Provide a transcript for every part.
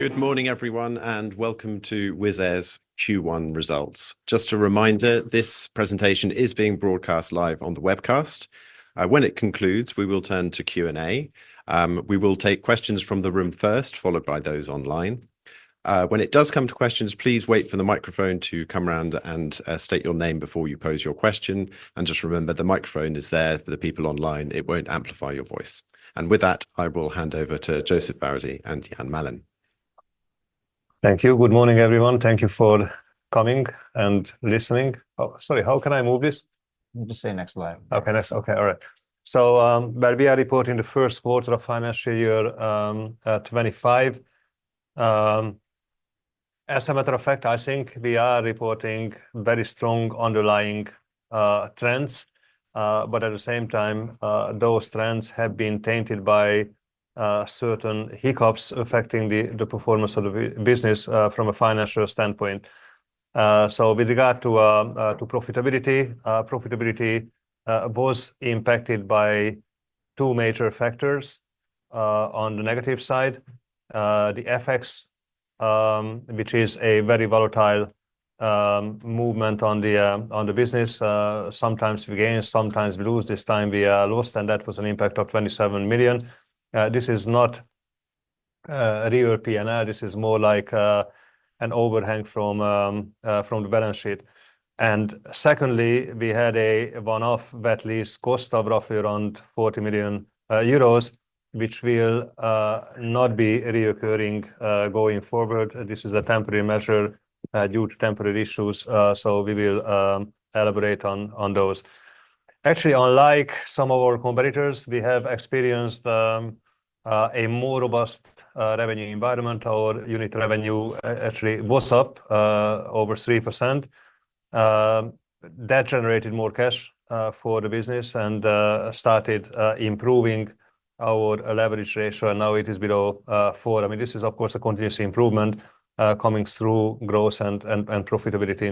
Good morning, everyone, and welcome to Wizz Air's Q1 results. Just a reminder, this presentation is being broadcast live on the webcast. When it concludes, we will turn to Q&A. We will take questions from the room first, followed by those online. When it does come to questions, please wait for the microphone to come round and state your name before you pose your question. And just remember, the microphone is there for the people online. It won't amplify your voice. And with that, I will hand over to József Váradi and Ian Malin. Thank you. Good morning, everyone. Thank you for coming and listening. Oh, sorry, how can I move this? Just say next line. Okay, next. Okay, all right. So, well, we are reporting the first quarter of financial year 2025. As a matter of fact, I think we are reporting very strong underlying trends, but at the same time, those trends have been tainted by certain hiccups affecting the performance of the business from a financial standpoint. So, with regard to profitability, profitability was impacted by two major factors on the negative side: the FX, which is a very volatile movement on the business. Sometimes we gain, sometimes we lose. This time we lost, and that was an impact of 27 million. This is not real P&L. This is more like an overhang from the balance sheet. And secondly, we had a one-off VAT lease cost of roughly around 40 million euros, which will not be recurring going forward. This is a temporary measure due to temporary issues, so we will elaborate on those. Actually, unlike some of our competitors, we have experienced a more robust revenue environment. Our unit revenue actually was up over 3%. That generated more cash for the business and started improving our leverage ratio, and now it is below 4. I mean, this is, of course, a continuous improvement coming through growth and profitability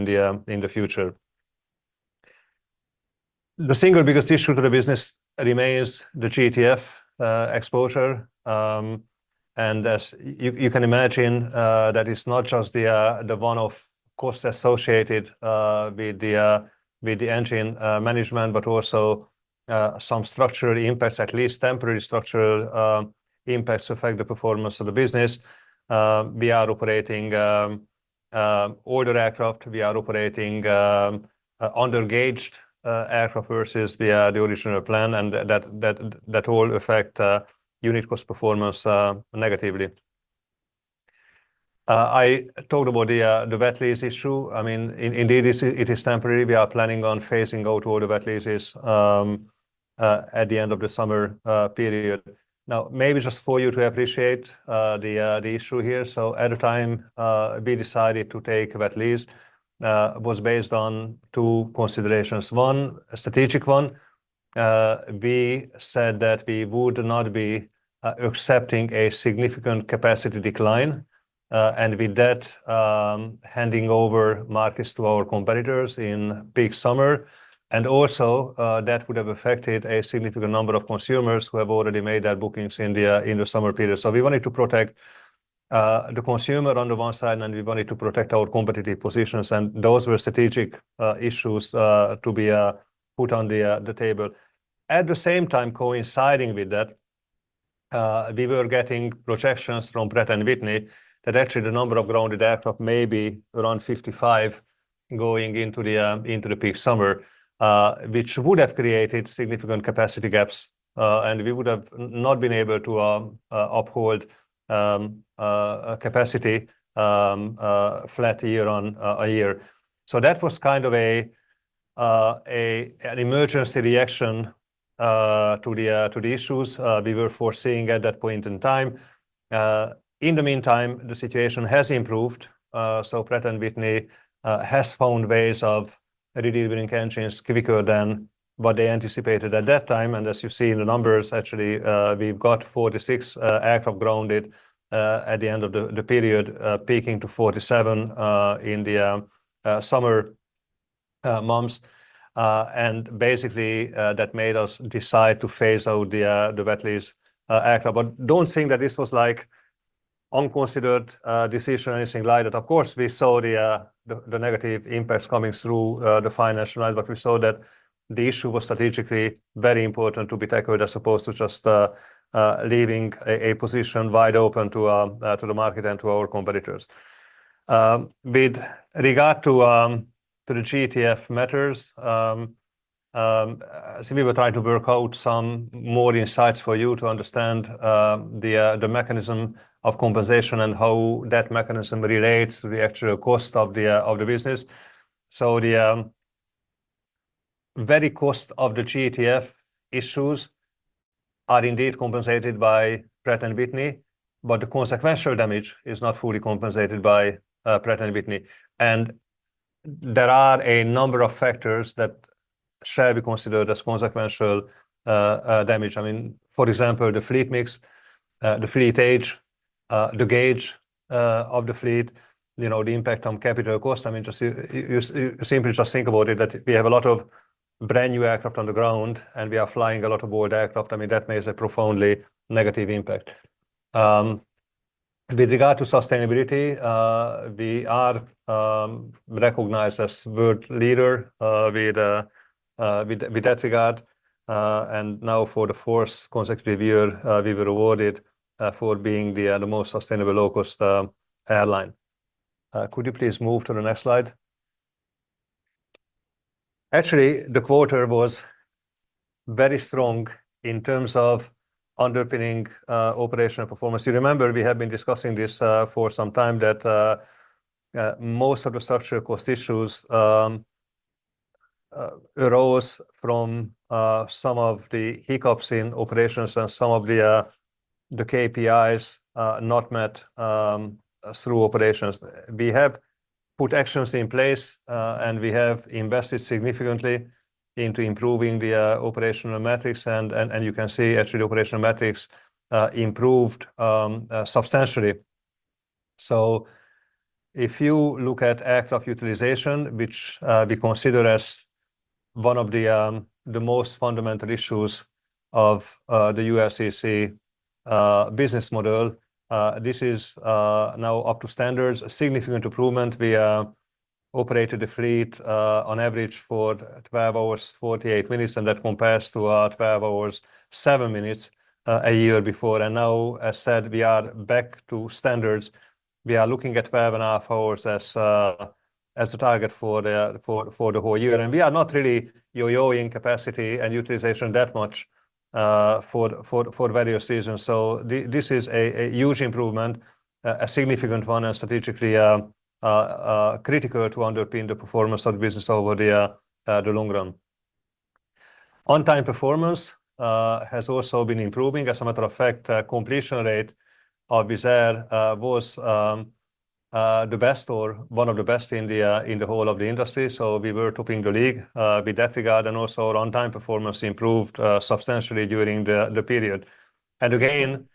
in the future. The single biggest issue to the business remains the GTF exposure. As you can imagine, that is not just the one-off cost associated with the engine management, but also some structural impacts, at least temporary structural impacts affect the performance of the business. We are operating older aircraft. We are operating under-engined aircraft versus the original plan, and that all affects unit cost performance negatively. I talked about the VAT lease issue. I mean, indeed, it is temporary. We are planning on phasing out all the VAT leases at the end of the summer period. Now, maybe just for you to appreciate the issue here, so at the time we decided to take VAT lease was based on two considerations. One, a strategic one. We said that we would not be accepting a significant capacity decline, and with that, handing over markets to our competitors in peak summer. And also, that would have affected a significant number of consumers who have already made their bookings in the summer period. So we wanted to protect the consumer on the one side, and we wanted to protect our competitive positions. And those were strategic issues to be put on the table. At the same time, coinciding with that, we were getting projections from Pratt & Whitney that actually the number of grounded aircraft may be around 55 going into the peak summer, which would have created significant capacity gaps, and we would have not been able to uphold capacity flat year-on-year. So that was kind of an emergency reaction to the issues we were foreseeing at that point in time. In the meantime, the situation has improved. So Pratt & Whitney has found ways of redealing engines quicker than what they anticipated at that time. And as you see in the numbers, actually, we've got 46 aircraft grounded at the end of the period, peaking to 47 in the summer months. And basically, that made us decide to phase out the VAT lease aircraft. But don't think that this was like an unconsidered decision or anything like that. Of course, we saw the negative impacts coming through the financial line, but we saw that the issue was strategically very important to be tackled as opposed to just leaving a position wide open to the market and to our competitors. With regard to the GTF matters, we were trying to work out some more insights for you to understand the mechanism of compensation and how that mechanism relates to the actual cost of the business. The very cost of the GTF issues are indeed compensated by Pratt & Whitney, but the consequential damage is not fully compensated by Pratt & Whitney. There are a number of factors that shall be considered as consequential damage. I mean, for example, the fleet mix, the fleet age, the gauge of the fleet, the impact on capital cost. I mean, just simply just think about it that we have a lot of brand new aircraft on the ground, and we are flying a lot of old aircraft. I mean, that makes a profoundly negative impact. With regard to sustainability, we are recognized as world leader with that regard. Now, for the fourth consecutive year, we were awarded for being the most sustainable low-cost airline. Could you please move to the next slide? Actually, the quarter was very strong in terms of underpinning operational performance. You remember we have been discussing this for some time that most of the structural cost issues arose from some of the hiccups in operations and some of the KPIs not met through operations. We have put actions in place, and we have invested significantly into improving the operational metrics. You can see actually the operational metrics improved substantially. If you look at aircraft utilization, which we consider as one of the most fundamental issues of the ULCC business model, this is now up to standards. A significant improvement. We operated the fleet on average for 12 hours, 48 minutes, and that compares to 12 hours, 7 minutes a year before. Now, as said, we are back to standards. We are looking at 12.5 hours as the target for the whole year. We are not really yo-yoing capacity and utilization that much for various reasons. This is a huge improvement, a significant one, and strategically critical to underpin the performance of the business over the long run. On-time performance has also been improving. As a matter of fact, completion rate of Wizz Air was the best or one of the best in the whole of the industry. So we were topping the league with that regard. And also, our on-time performance improved substantially during the period. And again,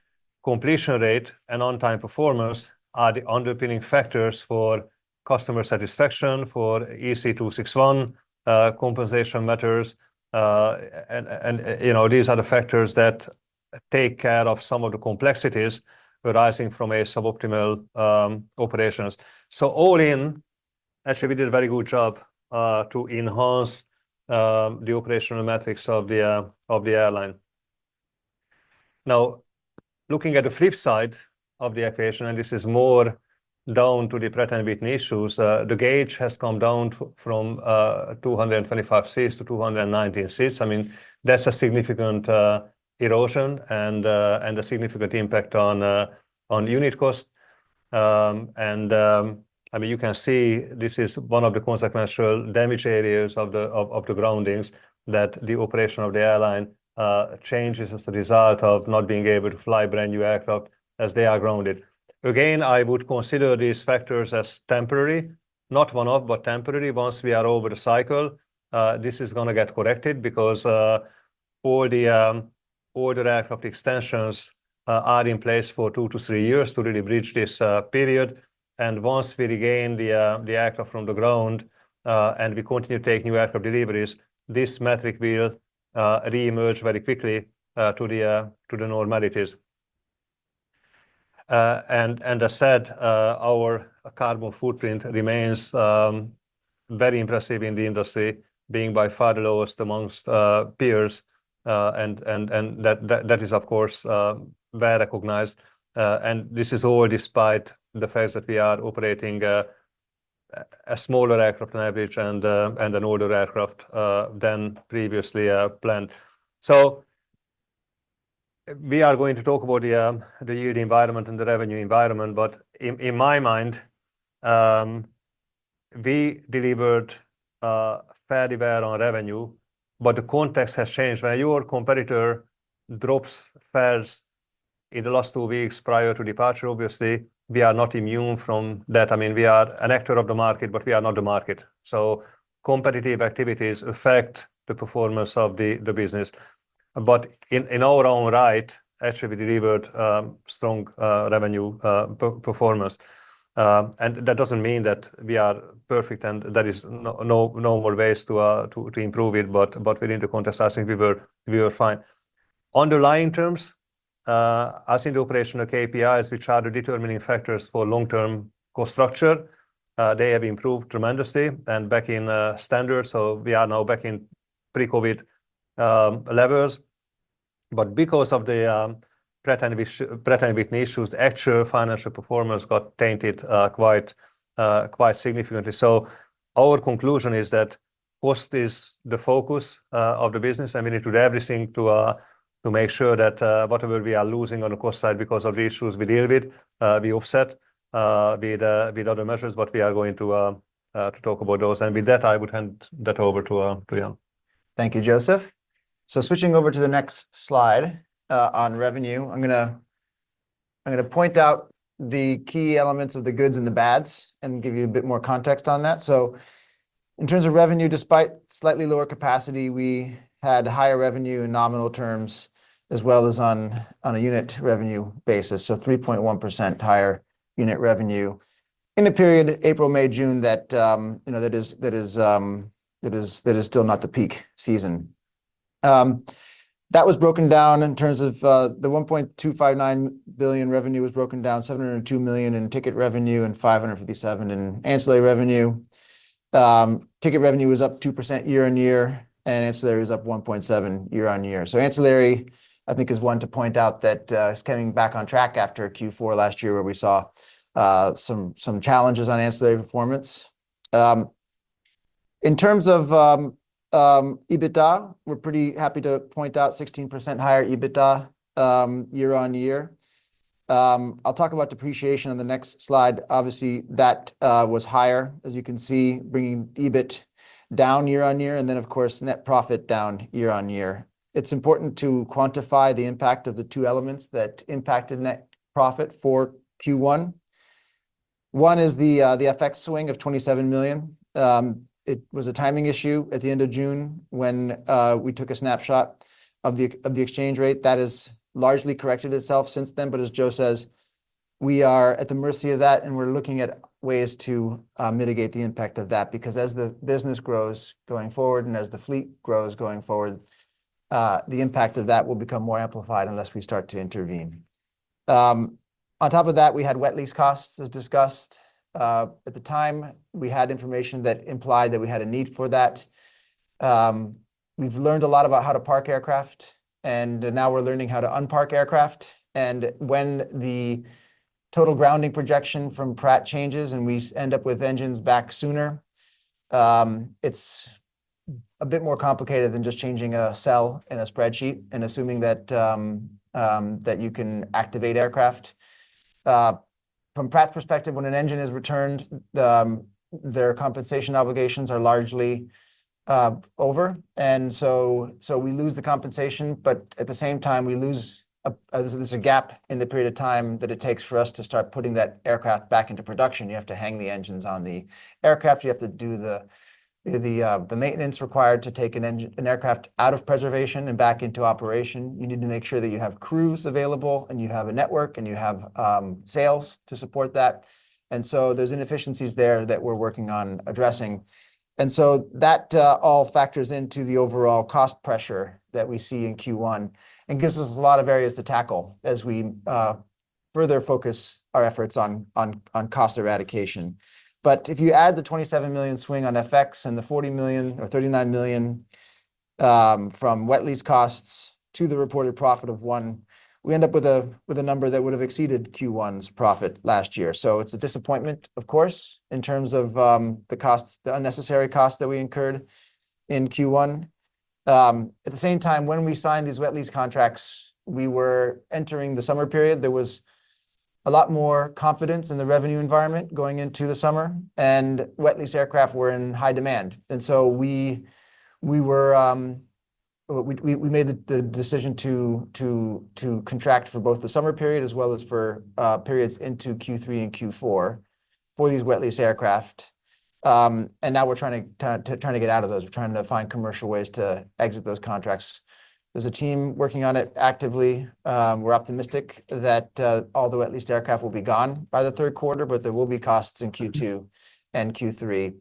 completion rate and on-time performance are the underpinning factors for customer satisfaction, for EC261 compensation matters. And these are the factors that take care of some of the complexities arising from suboptimal operations. So all in, actually, we did a very good job to enhance the operational metrics of the airline. Now, looking at the flip side of the equation, and this is more down to the Pratt & Whitney issues, the gauge has come down from 225 seats to 219 seats. I mean, that's a significant erosion and a significant impact on unit cost. And I mean, you can see this is one of the consequential damage areas of the groundings that the operation of the airline changes as a result of not being able to fly brand new aircraft as they are grounded. Again, I would consider these factors as temporary, not one-off, but temporary. Once we are over the cycle, this is going to get corrected because all the older aircraft extensions are in place for 2-3 years to really bridge this period. And once we regain the aircraft from the ground and we continue to take new aircraft deliveries, this metric will reemerge very quickly to the normalities. And as said, our carbon footprint remains very impressive in the industry, being by far the lowest among peers. And that is, of course, well recognized. This is all despite the fact that we are operating a smaller aircraft on average and an older aircraft than previously planned. We are going to talk about the yield environment and the revenue environment. But in my mind, we delivered fairly well on revenue, but the context has changed. When your competitor drops fares in the last two weeks prior to departure, obviously, we are not immune from that. I mean, we are an actor of the market, but we are not the market. So competitive activities affect the performance of the business. But in our own right, actually, we delivered strong revenue performance. And that doesn't mean that we are perfect and that there are no more ways to improve it. But within the context, I think we were fine. Underlying terms, as in the operational KPIs, which are the determining factors for long-term cost structure, they have improved tremendously. Back in standards, so we are now back in pre-COVID levels. But because of the Pratt & Whitney issues, actual financial performance got tainted quite significantly. So our conclusion is that cost is the focus of the business, and we need to do everything to make sure that whatever we are losing on the cost side because of the issues we deal with, we offset with other measures. We are going to talk about those. With that, I would hand that over to Ian. Thank you, Joseph. So switching over to the next slide on revenue, I'm going to point out the key elements of the goods and the bads and give you a bit more context on that. So in terms of revenue, despite slightly lower capacity, we had higher revenue in nominal terms as well as on a unit revenue basis, so 3.1% higher unit revenue in the period April, May, June that is still not the peak season. That was broken down in terms of the 1.259 billion revenue was broken down, 702 million in ticket revenue and 557 million in ancillary revenue. Ticket revenue was up 2% year-on-year, and ancillary was up 1.7% year-on-year. So ancillary, I think, is one to point out that it's coming back on track after Q4 last year where we saw some challenges on ancillary performance. In terms of EBITDA, we're pretty happy to point out 16% higher EBITDA year-on-year. I'll talk about depreciation on the next slide. Obviously, that was higher, as you can see, bringing EBIT down year-on-year. Of course, net profit down year-on-year. It's important to quantify the impact of the two elements that impacted net profit for Q1. One is the FX swing of 27 million. It was a timing issue at the end of June when we took a snapshot of the exchange rate. That has largely corrected itself since then. But as Joe says, we are at the mercy of that, and we're looking at ways to mitigate the impact of that because as the business grows going forward and as the fleet grows going forward, the impact of that will become more amplified unless we start to intervene. On top of that, we had wet lease costs as discussed. At the time, we had information that implied that we had a need for that. We've learned a lot about how to park aircraft, and now we're learning how to unpark aircraft. When the total grounding projection from Pratt changes and we end up with engines back sooner, it's a bit more complicated than just changing a cell in a spreadsheet and assuming that you can activate aircraft. From Pratt's perspective, when an engine is returned, their compensation obligations are largely over. So we lose the compensation, but at the same time, we lose, there's a gap in the period of time that it takes for us to start putting that aircraft back into production. You have to hang the engines on the aircraft. You have to do the maintenance required to take an aircraft out of preservation and back into operation. You need to make sure that you have crews available, and you have a network, and you have sales to support that. And so there's inefficiencies there that we're working on addressing. And so that all factors into the overall cost pressure that we see in Q1 and gives us a lot of areas to tackle as we further focus our efforts on cost eradication. But if you add the 27 million swing on FX and the 40 million or 39 million from wet lease costs to the reported profit of 1 million, we end up with a number that would have exceeded Q1's profit last year. So it's a disappointment, of course, in terms of the unnecessary costs that we incurred in Q1. At the same time, when we signed these wet lease contracts, we were entering the summer period. There was a lot more confidence in the revenue environment going into the summer, and wet lease aircraft were in high demand. And so we made the decision to contract for both the summer period as well as for periods into Q3 and Q4 for these wet lease aircraft. And now we're trying to get out of those. We're trying to find commercial ways to exit those contracts. There's a team working on it actively. We're optimistic that all the wet leased aircraft will be gone by the third quarter, but there will be costs in Q2 and Q3.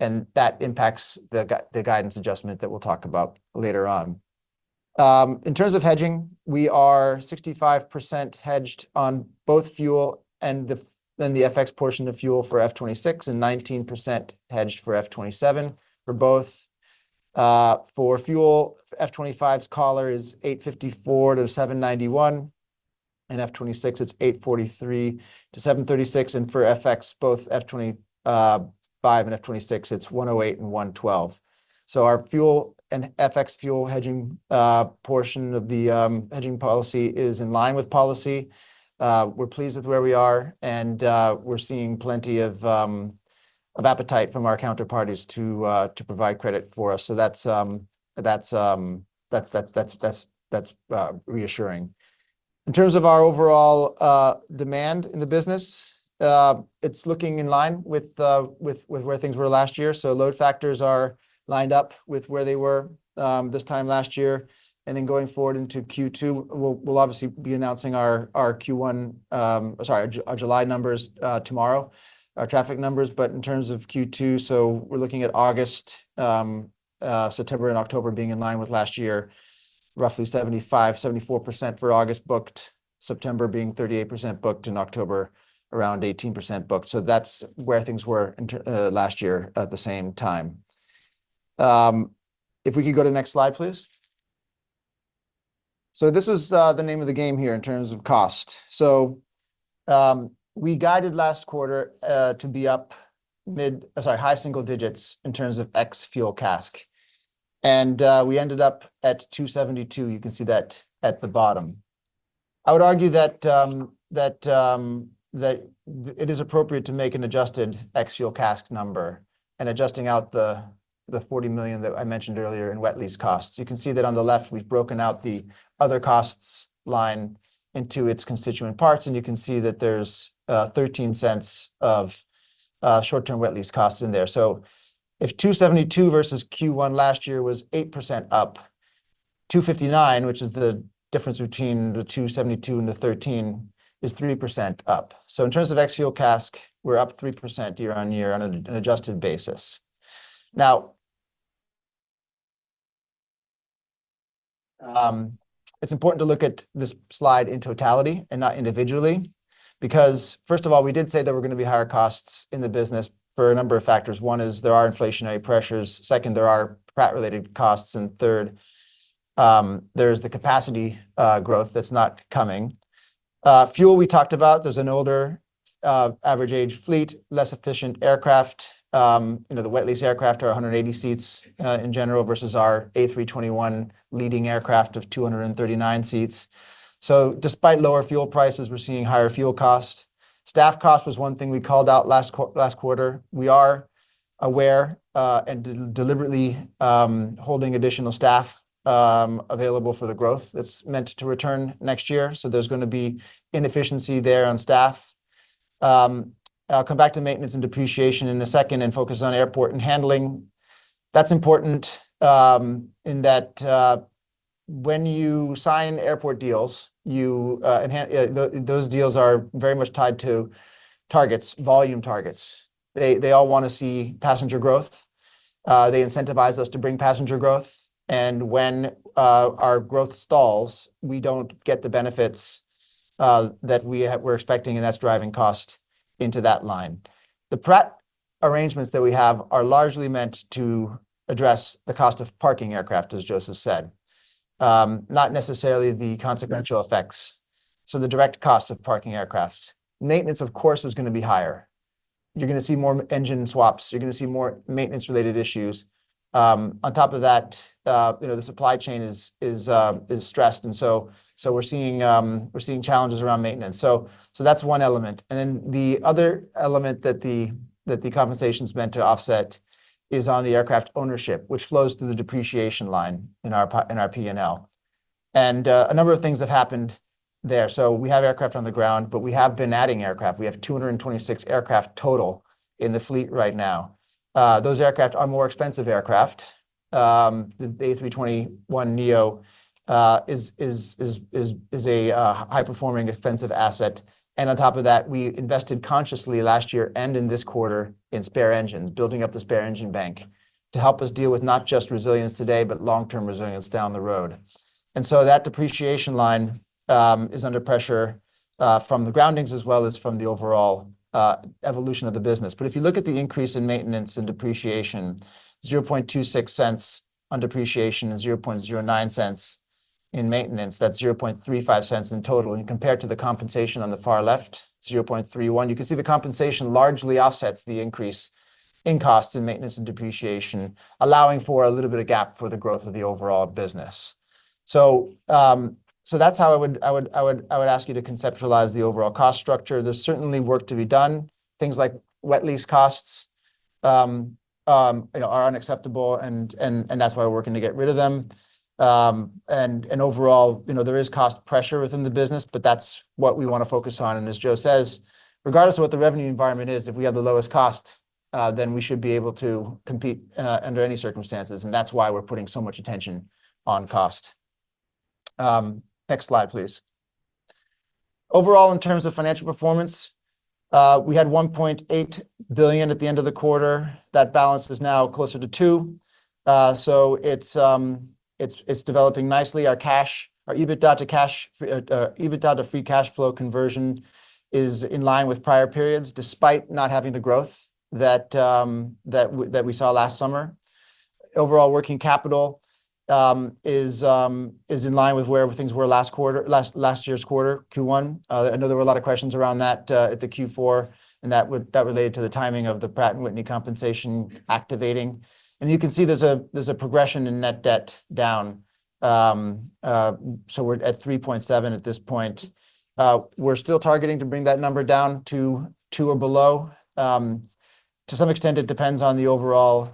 And that impacts the guidance adjustment that we'll talk about later on. In terms of hedging, we are 65% hedged on both fuel and the FX portion of fuel for F26 and 19% hedged for F27 for both. For fuel, F25's collar is $854-$791, and F26, it's $843-$736. And for FX, both F25 and F26, it's 108 and 112. So our fuel and FX fuel hedging portion of the hedging policy is in line with policy. We're pleased with where we are, and we're seeing plenty of appetite from our counterparties to provide credit for us. So that's reassuring. In terms of our overall demand in the business, it's looking in line with where things were last year. Load factors are lined up with where they were this time last year. Then going forward into Q2, we'll obviously be announcing our Q1, sorry, our July numbers tomorrow, our traffic numbers. But in terms of Q2, so we're looking at August, September, and October being in line with last year, roughly 75, 74% for August booked, September being 38% booked, and October around 18% booked. That's where things were last year at the same time. If we could go to the next slide, please. This is the name of the game here in terms of cost. We guided last quarter to be up mid, sorry, high single digits in terms of ex-fuel CASK. We ended up at 272. You can see that at the bottom. I would argue that it is appropriate to make an adjusted ex-fuel CASK number and adjusting out the 40 million that I mentioned earlier in wet lease costs. You can see that on the left, we've broken out the other costs line into its constituent parts. You can see that there's $0.13 of short-term wet lease costs in there. So if 272 versus Q1 last year was 8% up, 259, which is the difference between the 272 and the 13, is 3% up. So in terms of ex-fuel CASK, we're up 3% year-on-year on an adjusted basis. Now, it's important to look at this slide in totality and not individually because, first of all, we did say there were going to be higher costs in the business for a number of factors. One is there are inflationary pressures. Second, there are Pratt-related costs. And third, there is the capacity growth that's not coming. Fuel we talked about, there's an older average-age fleet, less efficient aircraft. The wet lease aircraft are 180 seats in general versus our A321 leading aircraft of 239 seats. So despite lower fuel prices, we're seeing higher fuel cost. Staff cost was one thing we called out last quarter. We are aware and deliberately holding additional staff available for the growth that's meant to return next year. So there's going to be inefficiency there on staff. I'll come back to maintenance and depreciation in a second and focus on airport and handling. That's important in that when you sign airport deals, those deals are very much tied to targets, volume targets. They all want to see passenger growth. They incentivize us to bring passenger growth. And when our growth stalls, we don't get the benefits that we were expecting, and that's driving cost into that line. The Pratt arrangements that we have are largely meant to address the cost of parking aircraft, as Joseph said, not necessarily the consequential effects. So the direct cost of parking aircraft. Maintenance, of course, is going to be higher. You're going to see more engine swaps. You're going to see more maintenance-related issues. On top of that, the supply chain is stressed. And so we're seeing challenges around maintenance. So that's one element. And then the other element that the compensation is meant to offset is on the aircraft ownership, which flows through the depreciation line in our P&L. And a number of things have happened there. So we have aircraft on the ground, but we have been adding aircraft. We have 226 aircraft total in the fleet right now. Those aircraft are more expensive aircraft. The A321neo is a high-performing, expensive asset. And on top of that, we invested consciously last year and in this quarter in spare engines, building up the spare engine bank to help us deal with not just resilience today, but long-term resilience down the road. And so that depreciation line is under pressure from the groundings as well as from the overall evolution of the business. But if you look at the increase in maintenance and depreciation, 0.0026 on depreciation and 0.0009 in maintenance, that's 0.0035 in total. And compared to the compensation on the far left, 0.0031, you can see the compensation largely offsets the increase in costs in maintenance and depreciation, allowing for a little bit of gap for the growth of the overall business. So that's how I would ask you to conceptualize the overall cost structure. There's certainly work to be done. Things like wet lease costs are unacceptable, and that's why we're working to get rid of them. And overall, there is cost pressure within the business, but that's what we want to focus on. As Joe says, regardless of what the revenue environment is, if we have the lowest cost, then we should be able to compete under any circumstances. That's why we're putting so much attention on cost. Next slide, please. Overall, in terms of financial performance, we had 1.8 billion at the end of the quarter. That balance is now closer to 2 billion. So it's developing nicely. Our EBITDA to free cash flow conversion is in line with prior periods despite not having the growth that we saw last summer. Overall working capital is in line with where things were last year's quarter, Q1. I know there were a lot of questions around that at the Q4, and that related to the timing of the Pratt & Whitney compensation activating. You can see there's a progression in net debt down. So we're at 3.7 billion at this point. We're still targeting to bring that number down to 2 or below. To some extent, it depends on the overall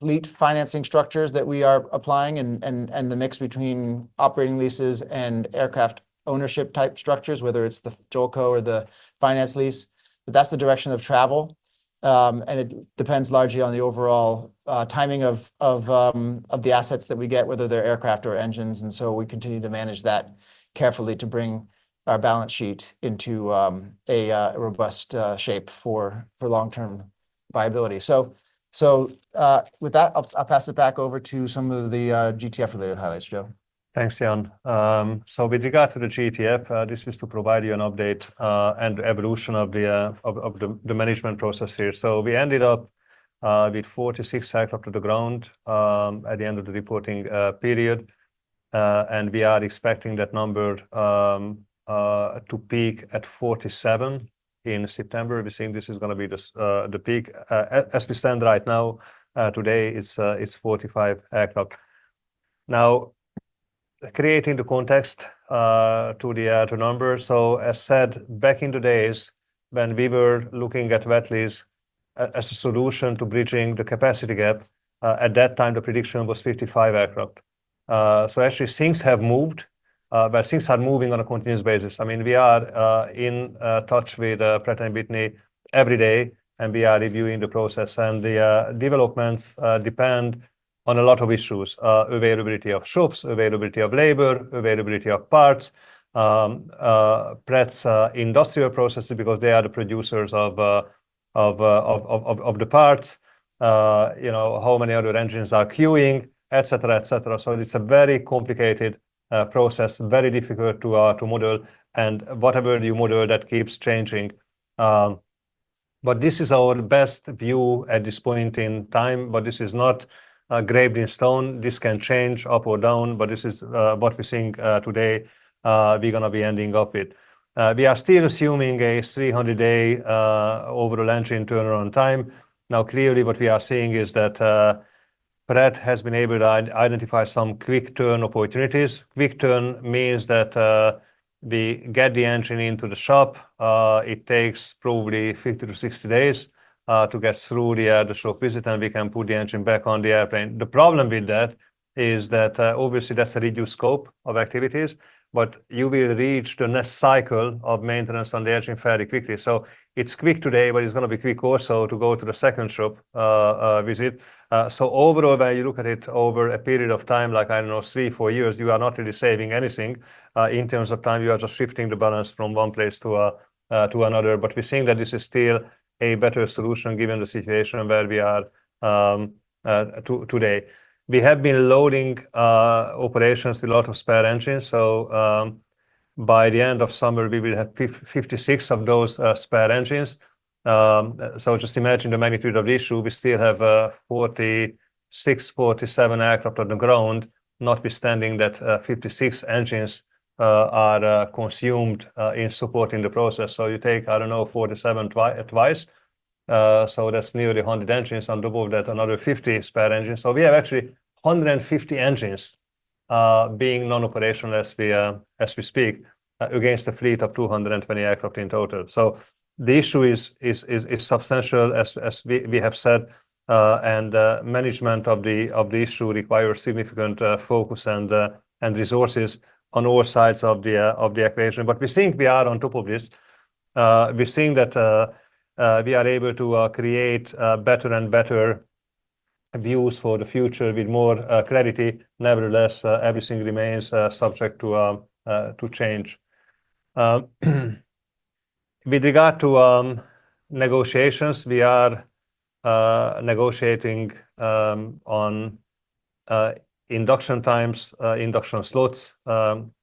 fleet financing structures that we are applying and the mix between operating leases and aircraft ownership type structures, whether it's the JOLCO or the finance lease. But that's the direction of travel. It depends largely on the overall timing of the assets that we get, whether they're aircraft or engines. So we continue to manage that carefully to bring our balance sheet into a robust shape for long-term viability. So with that, I'll pass it back over to some of the GTF-related highlights, Joe. Thanks, Ian. So with regard to the GTF, this is to provide you an update and evolution of the management process here. So we ended up with 46 cycles to the ground at the end of the reporting period. And we are expecting that number to peak at 47 in September. We're seeing this is going to be the peak. As we stand right now, today, it's 45 aircraft. Now, creating the context to the number. So as said, back in the days when we were looking at wet lease as a solution to bridging the capacity gap, at that time, the prediction was 55 aircraft. So actually, things have moved, but things are moving on a continuous basis. I mean, we are in touch with Pratt & Whitney every day, and we are reviewing the process. And the developments depend on a lot of issues: availability of shops, availability of labor, availability of parts, Pratt & Whitney's industrial processes because they are the producers of the parts, how many other engines are queuing, et cetera, et cetera. So it's a very complicated process, very difficult to model. And whatever you model, that keeps changing. But this is our best view at this point in time. But this is not graven in stone. This can change up or down, but this is what we think today we're going to be ending up with. We are still assuming a 300-day overall engine turnaround time. Now, clearly, what we are seeing is that Pratt has been able to identify some quick turn opportunities. Quick turn means that we get the engine into the shop. It takes probably 50-60 days to get through the shop visit, and we can put the engine back on the airplane. The problem with that is that obviously, that's a reduced scope of activities, but you will reach the next cycle of maintenance on the engine fairly quickly. It's quick today, but it's going to be quick also to go to the second shop visit. Overall, when you look at it over a period of time, like I don't know, three, four years, you are not really saving anything. In terms of time, you are just shifting the balance from one place to another. But we're seeing that this is still a better solution given the situation where we are today. We have been loading operations with a lot of spare engines. By the end of summer, we will have 56 of those spare engines. Just imagine the magnitude of the issue. We still have 46, 47 aircraft on the ground, notwithstanding that 56 engines are consumed in supporting the process. You take, I don't know, 47 twice. That's nearly 100 engines. On top of that, another 50 spare engines. So we have actually 150 engines being non-operational as we speak against a fleet of 220 aircraft in total. So the issue is substantial, as we have said. And management of the issue requires significant focus and resources on all sides of the equation. But we think we are on top of this. We think that we are able to create better and better views for the future with more clarity. Nevertheless, everything remains subject to change. With regard to negotiations, we are negotiating on induction times, induction slots,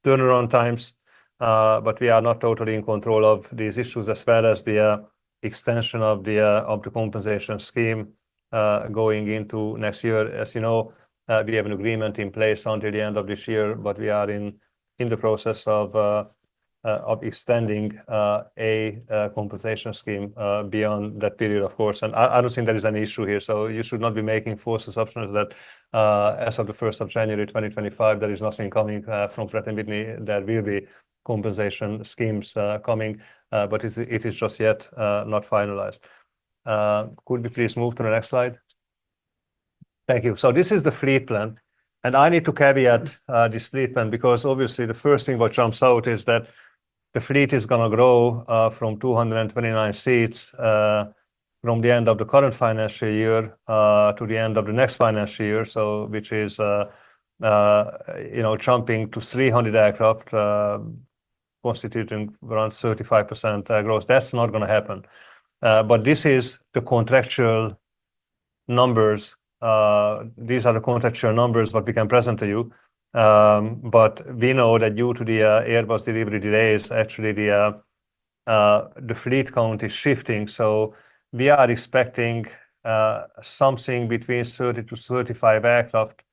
turnaround times. But we are not totally in control of these issues as well as the extension of the compensation scheme going into next year. As you know, we have an agreement in place until the end of this year, but we are in the process of extending a compensation scheme beyond that period, of course. I don't think there is an issue here. You should not be making false assumptions that as of the 1st of January 2025, there is nothing coming from Pratt & Whitney that will be compensation schemes coming. It is just yet not finalized. Could we please move to the next slide? Thank you. This is the fleet plan. I need to caveat this fleet plan because obviously, the first thing what jumps out is that the fleet is going to grow from 229 seats from the end of the current financial year to the end of the next financial year, which is jumping to 300 aircraft, constituting around 35% growth. That's not going to happen. This is the contractual numbers. These are the contractual numbers that we can present to you. But we know that due to the Airbus delivery delays, actually, the fleet count is shifting. So we are expecting something between 30-35 aircraft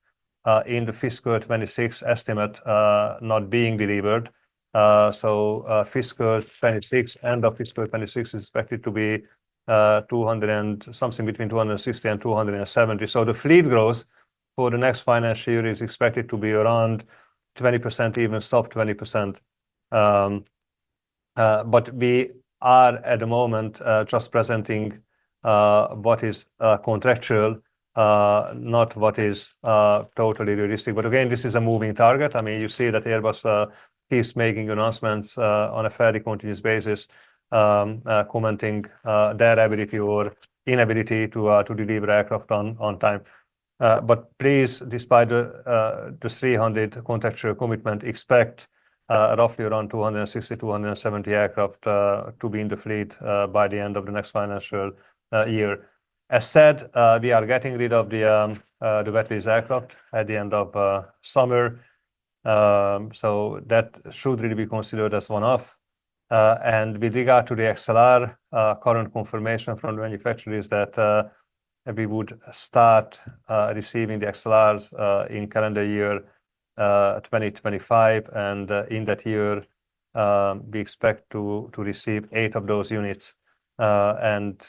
in the fiscal 2026 estimate not being delivered. So fiscal 2026, end of fiscal 2026, is expected to be something between 260 and 270. So the fleet growth for the next financial year is expected to be around 20%, even sub 20%. But we are at the moment just presenting what is contractual, not what is totally realistic. But again, this is a moving target. I mean, you see that Airbus keeps making announcements on a fairly continuous basis, commenting that ability or inability to deliver aircraft on time. But please, despite the 300 contractual commitment, expect roughly around 260-270 aircraft to be in the fleet by the end of the next financial year. As said, we are getting rid of the wet lease aircraft at the end of summer. So that should really be considered as one-off. With regard to the XLR, current confirmation from the manufacturers, that we would start receiving the XLRs in calendar year 2025. And in that year, we expect to receive 8 of those units. And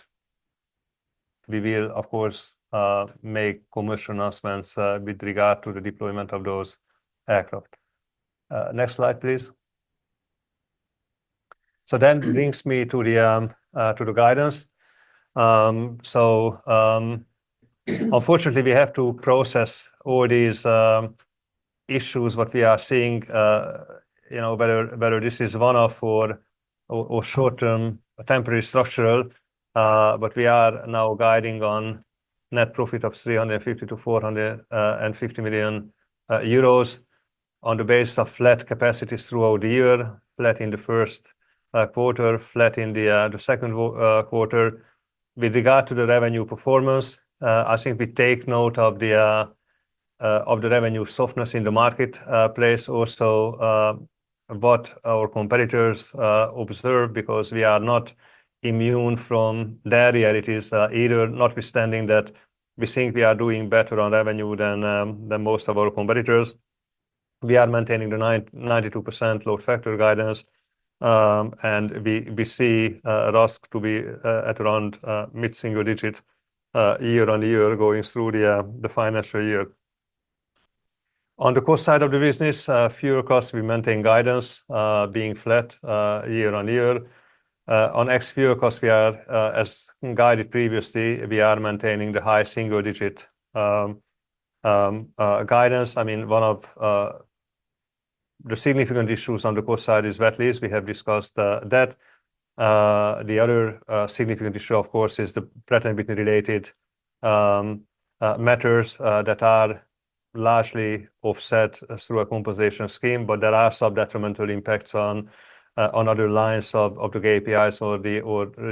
we will, of course, make commercial announcements with regard to the deployment of those aircraft. Next slide, please. So then brings me to the guidance. Unfortunately, we have to process all these issues that we are seeing, whether this is one-off or short-term, temporary, structural. But we are now guiding on net profit of 350 million-450 million euros on the basis of flat capacities throughout the year, flat in the first quarter, flat in the second quarter. With regard to the revenue performance, I think we take note of the revenue softness in the marketplace also, what our competitors observe, because we are not immune from their realities either, notwithstanding that we think we are doing better on revenue than most of our competitors. We are maintaining the 92% load factor guidance, and we see risk to be at around mid-single digit year-on-year going through the financial year. On the cost side of the business, fuel costs, we maintain guidance being flat year-on-year. On ex-fuel costs, as guided previously, we are maintaining the high single-digit guidance. I mean, one of the significant issues on the cost side is wet lease. We have discussed that. The other significant issue, of course, is the Pratt & Whitney-related matters that are largely offset through a compensation scheme, but there are some detrimental impacts on other lines of the KPIs or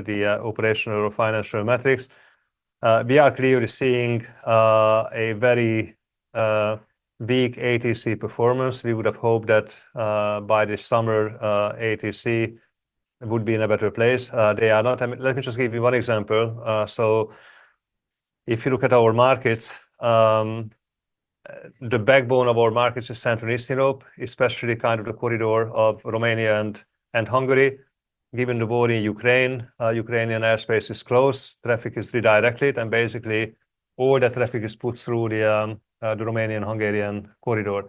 the operational or financial metrics. We are clearly seeing a very weak ATC performance. We would have hoped that by this summer, ATC would be in a better place. Let me just give you one example. So if you look at our markets, the backbone of our markets is Central Eastern Europe, especially kind of the corridor of Romania and Hungary. Given the war in Ukraine, Ukrainian airspace is closed, traffic is redirected, and basically, all that traffic is put through the Romanian-Hungarian corridor.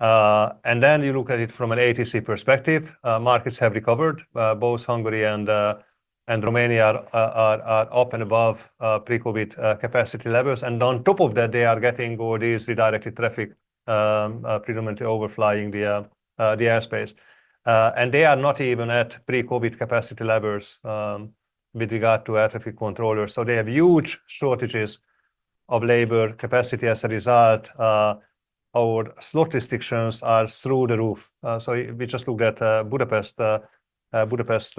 And then you look at it from an ATC perspective, markets have recovered. Both Hungary and Romania are up and above pre-COVID capacity levels. And on top of that, they are getting all these redirected traffic predominantly overflying the airspace. And they are not even at pre-COVID capacity levels with regard to air traffic controllers. So they have huge shortages of labor capacity as a result. Our slot restrictions are through the roof. So we just looked at Budapest. Budapest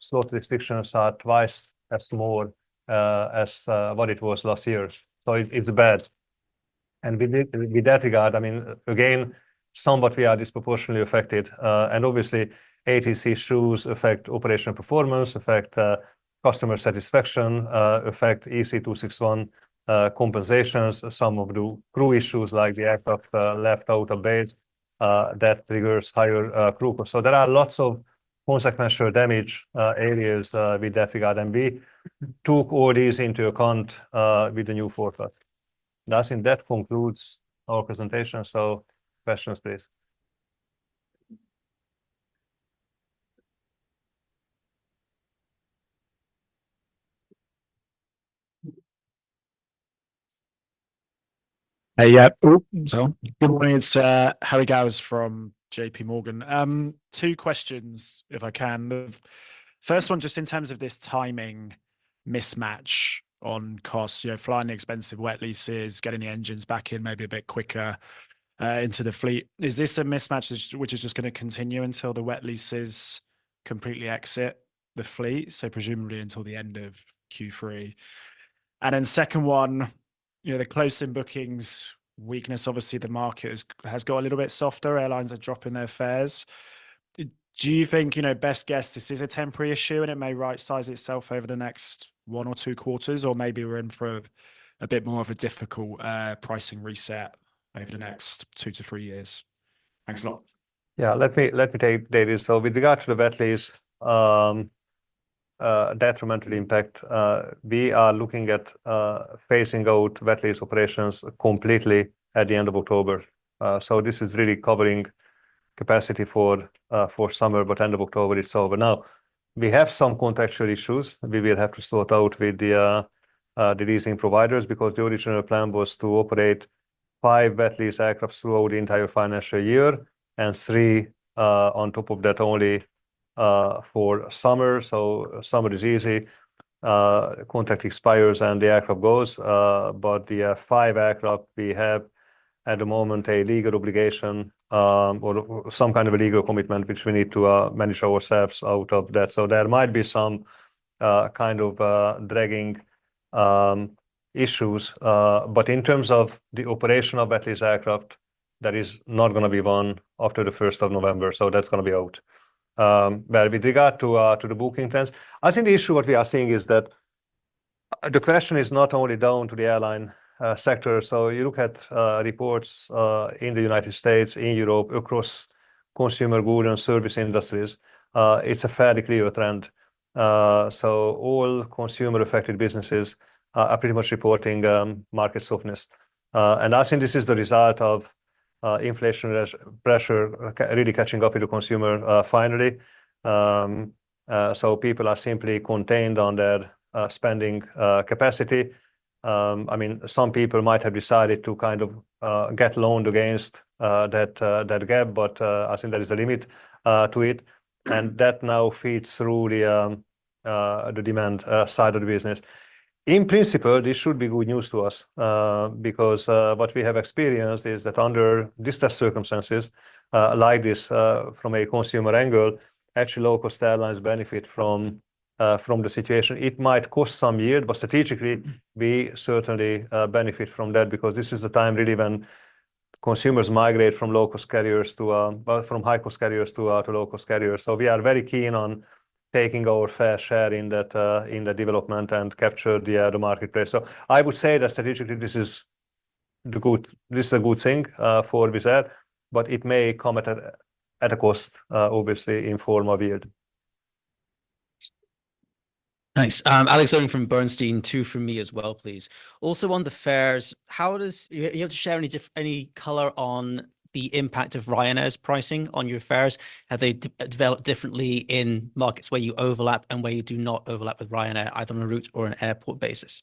slot restrictions are twice as small as what it was last year. So it's bad. And with that regard, I mean, again, somewhat we are disproportionately affected. And obviously, ATC issues affect operational performance, affect customer satisfaction, affect EC261 compensations, some of the crew issues like the aircraft left out of base. That triggers higher crew costs. So there are lots of consequential damage areas with that regard. And we took all these into account with the new forecast. That concludes our presentation. So questions, please. Hey, yeah. Good morning. It's Harry Gowers from JP Morgan. Two questions, if I can. First one, just in terms of this timing mismatch on cost, flying the expensive wet leases, getting the engines back in maybe a bit quicker into the fleet. Is this a mismatch which is just going to continue until the wet leases completely exit the fleet? So presumably until the end of Q3. And then second one, the close-in bookings weakness, obviously, the market has got a little bit softer. Airlines are dropping their fares. Do you think, best guess, this is a temporary issue and it may right-size itself over the next one or two quarters, or maybe we're in for a bit more of a difficult pricing reset over the next two to three years? Thanks a lot. Yeah, let me take David. So with regard to the wet lease, detrimental impact, we are looking at phasing out wet lease operations completely at the end of October. So this is really covering capacity for summer, but end of October is over. Now, we have some contractual issues. We will have to sort out with the leasing providers because the original plan was to operate 5 wet lease aircraft throughout the entire financial year and 3 on top of that only for summer. So summer is easy. Contract expires and the aircraft goes. But the 5 aircraft, we have at the moment a legal obligation or some kind of a legal commitment which we need to manage ourselves out of that. So there might be some kind of dragging issues. But in terms of the operation of wet lease aircraft, that is not going to be one after the 1st of November. So that's going to be out. But with regard to the booking trends, I think the issue what we are seeing is that the question is not only down to the airline sector. So you look at reports in the United States, in Europe, across consumer goods and service industries. It's a fairly clear trend. So all consumer-affected businesses are pretty much reporting market softness. And I think this is the result of inflationary pressure really catching up with the consumer finally. So people are simply contained on their spending capacity. I mean, some people might have decided to kind of get loaned against that gap, but I think there is a limit to it. And that now feeds through the demand side of the business. In principle, this should be good news to us because what we have experienced is that under distressed circumstances like this from a consumer angle, actually low-cost airlines benefit from the situation. It might cost some year, but strategically, we certainly benefit from that because this is the time really when consumers migrate from low-cost carriers to high-cost carriers to low-cost carriers. So we are very keen on taking our fair share in the development and capture the marketplace. So I would say that strategically, this is a good thing for Wizz Air, but it may come at a cost, obviously, in form of yield. Thanks. Alex Owen from Bernstein, two from me as well, please. Also on the fares, you have to share any color on the impact of Ryanair's pricing on your fares. Have they developed differently in markets where you overlap and where you do not overlap with Ryanair, either on a route or an airport basis?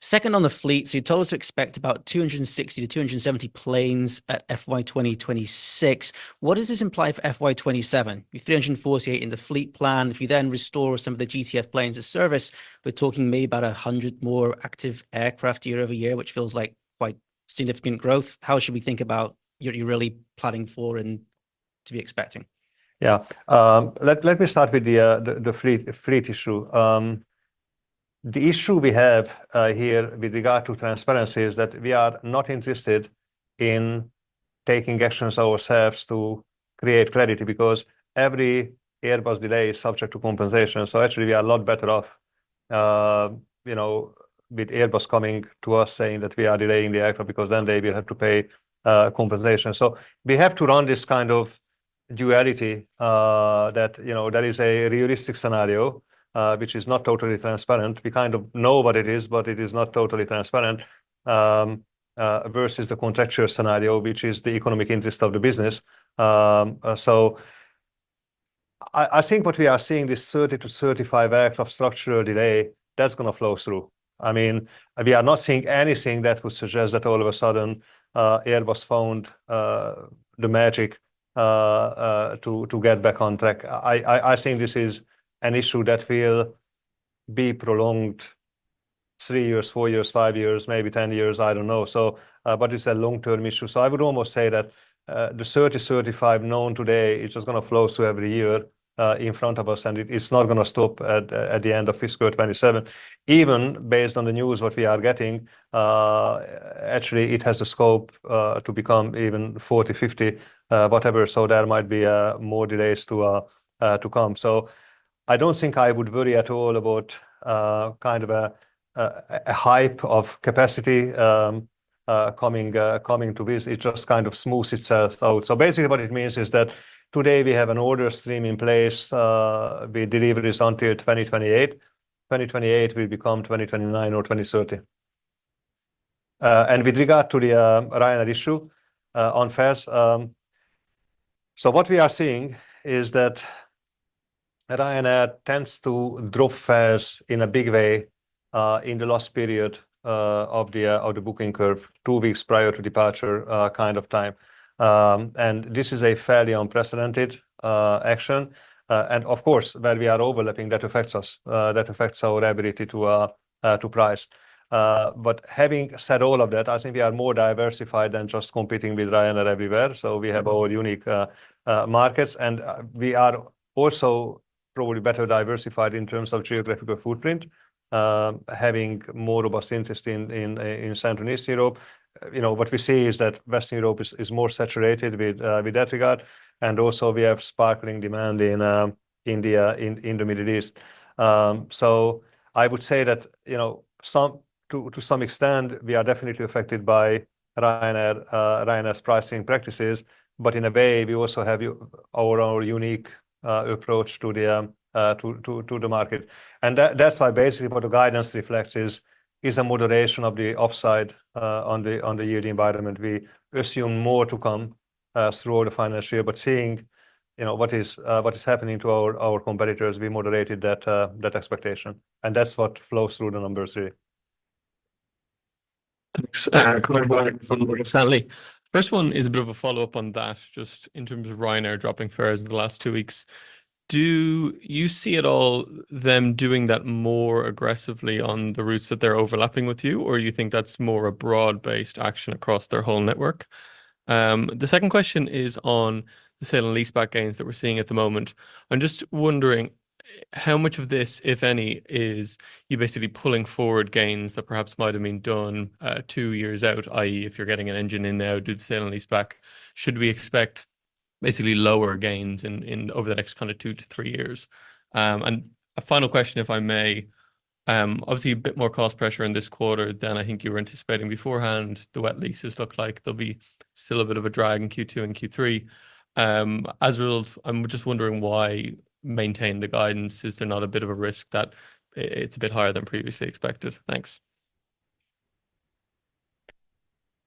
Second, on the fleet, so you told us to expect about 260-270 planes at FY 2026. What does this imply for FY 2027? You have 348 in the fleet plan. If you then restore some of the GTF planes to service, we're talking maybe about 100 more active aircraft year-over-year, which feels like quite significant growth. How should we think about what you're really planning for and to be expecting? Yeah, let me start with the fleet issue. The issue we have here with regard to transparency is that we are not interested in taking actions ourselves to create credit because every Airbus delay is subject to compensation. So actually, we are a lot better off with Airbus coming to us saying that we are delaying the aircraft because then they will have to pay compensation. So we have to run this kind of duality that there is a realistic scenario which is not totally transparent. We kind of know what it is, but it is not totally transparent versus the contractual scenario, which is the economic interest of the business. So I think what we are seeing, this 30-35 aircraft structural delay, that's going to flow through. I mean, we are not seeing anything that would suggest that all of a sudden Airbus found the magic to get back on track. I think this is an issue that will be prolonged 3 years, 4 years, 5 years, maybe 10 years, I don't know. But it's a long-term issue. So I would almost say that the 30, 35 known today, it's just going to flow through every year in front of us, and it's not going to stop at the end of fiscal 2027. Even based on the news what we are getting, actually, it has the scope to become even 40, 50, whatever. So there might be more delays to come. So I don't think I would worry at all about kind of a hype of capacity coming to this. It just kind of smooths itself out. So basically, what it means is that today we have an order stream in place. We deliver this until 2028. 2028 will become 2029 or 2030. With regard to the Ryanair issue on fares, so what we are seeing is that Ryanair tends to drop fares in a big way in the last period of the booking curve, two weeks prior to departure kind of time. This is a fairly unprecedented action. Of course, where we are overlapping, that affects us. That affects our ability to price. But having said all of that, I think we are more diversified than just competing with Ryanair everywhere. We have our unique markets, and we are also probably better diversified in terms of geographical footprint, having more robust interest in Central East Europe. What we see is that Western Europe is more saturated with that regard. We also have sparkling demand in India, in the Middle East. I would say that to some extent, we are definitely affected by Ryanair's pricing practices. But in a way, we also have our own unique approach to the market. And that's why basically what the guidance reflects is a moderation of the upside on the year, the environment. We assume more to come throughout the financial year, but seeing what is happening to our competitors, we moderated that expectation. And that's what flows through the numbers here. Thanks, Khourib Walid from Morgan Stanley. First one is a bit of a follow-up on that, just in terms of Ryanair dropping fares in the last two weeks. Do you see at all them doing that more aggressively on the routes that they're overlapping with you, or do you think that's more a broad-based action across their whole network? The second question is on the sale and lease-back gains that we're seeing at the moment. I'm just wondering how much of this, if any, is you basically pulling forward gains that perhaps might have been done 2 years out, i.e., if you're getting an engine in now, do the sale and lease-back, should we expect basically lower gains over the next kind of 2-3 years? And a final question, if I may. Obviously, a bit more cost pressure in this quarter than I think you were anticipating beforehand. The wet leases look like there'll be still a bit of a drag in Q2 and Q3. As a result, I'm just wondering why maintain the guidance? Is there not a bit of a risk that it's a bit higher than previously expected? Thanks.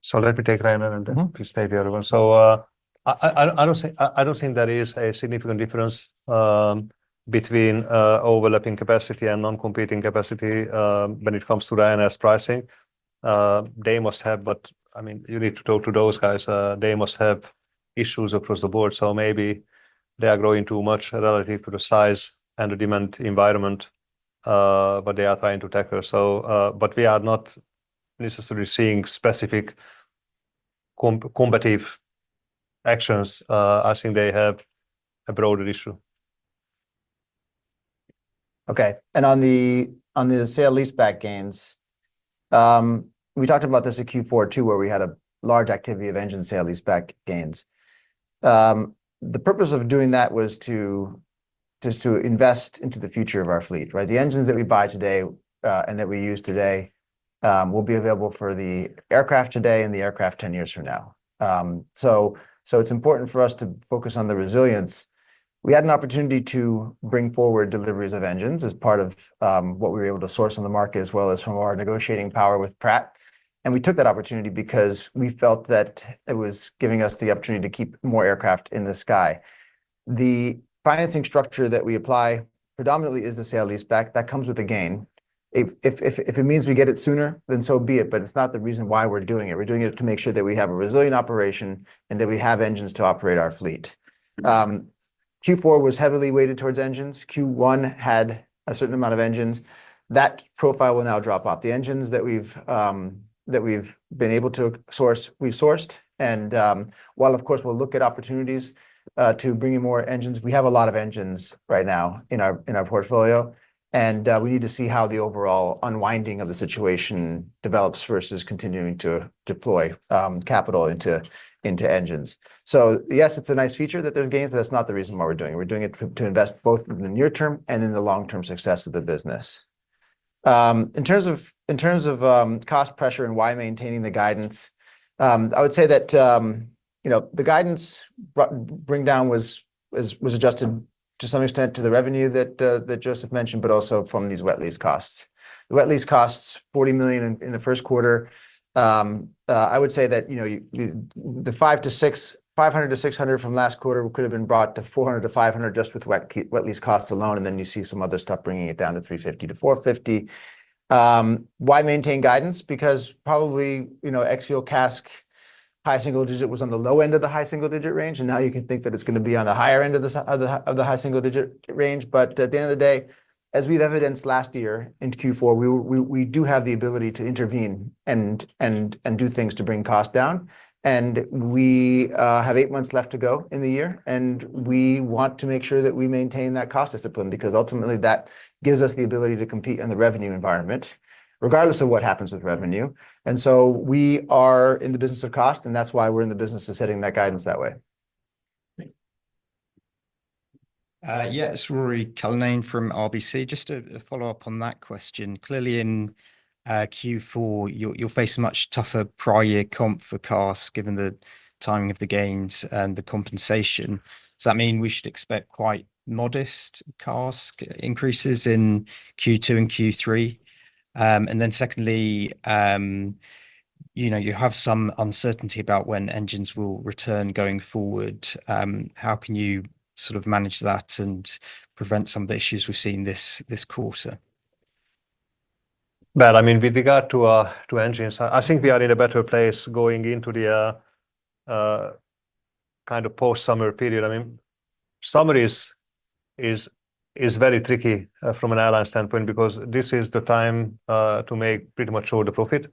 So let me take Ryanair and then to stay here. So I don't think there is a significant difference between overlapping capacity and non-competing capacity when it comes to Ryanair's pricing. They must have, but I mean, you need to talk to those guys. They must have issues across the board. So maybe they are growing too much relative to the size and the demand environment, but they are trying to tackle. But we are not necessarily seeing specific combative actions. I think they have a broader issue. Okay. And on the sale lease-back gains, we talked about this in Q4 too, where we had a large activity of engine sale lease-back gains. The purpose of doing that was to invest into the future of our fleet, right? The engines that we buy today and that we use today will be available for the aircraft today and the aircraft 10 years from now. So it's important for us to focus on the resilience. We had an opportunity to bring forward deliveries of engines as part of what we were able to source on the market, as well as from our negotiating power with Pratt. We took that opportunity because we felt that it was giving us the opportunity to keep more aircraft in the sky. The financing structure that we apply predominantly is the sale lease-back. That comes with a gain. If it means we get it sooner, then so be it, but it's not the reason why we're doing it. We're doing it to make sure that we have a resilient operation and that we have engines to operate our fleet. Q4 was heavily weighted towards engines. Q1 had a certain amount of engines. That profile will now drop off. The engines that we've been able to source, we've sourced. While, of course, we'll look at opportunities to bring in more engines, we have a lot of engines right now in our portfolio. We need to see how the overall unwinding of the situation develops versus continuing to deploy capital into engines. So yes, it's a nice feature that there's gains, but that's not the reason why we're doing it. We're doing it to invest both in the near term and in the long-term success of the business. In terms of cost pressure and why maintaining the guidance, I would say that the guidance bringdown was adjusted to some extent to the revenue that József mentioned, but also from these wet lease costs. The wet lease costs 40 million in the first quarter. I would say that the 500 million-600 million from last quarter could have been brought to 400 million-500 million just with wet lease costs alone. Then you see some other stuff bringing it down to 350-450. Why maintain guidance? Because probably ex-fuel CASK, high single digit was on the low end of the high single digit range. Now you can think that it's going to be on the higher end of the high single digit range. But at the end of the day, as we've evidenced last year in Q4, we do have the ability to intervene and do things to bring costs down. We have eight months left to go in the year. We want to make sure that we maintain that cost discipline because ultimately, that gives us the ability to compete in the revenue environment, regardless of what happens with revenue. So we are in the business of cost, and that's why we're in the business of setting that guidance that way. Yes, Ruairi Cullinane from RBC. Just to follow up on that question. Clearly, in Q4, you'll face a much tougher prior comp for costs given the timing of the gains and the compensation. Does that mean we should expect quite modest cost increases in Q2 and Q3? And then secondly, you have some uncertainty about when engines will return going forward. How can you sort of manage that and prevent some of the issues we've seen this quarter? Well, I mean, with regard to engines, I think we are in a better place going into the kind of post-summer period. I mean, summer is very tricky from an airline standpoint because this is the time to make pretty much all the profit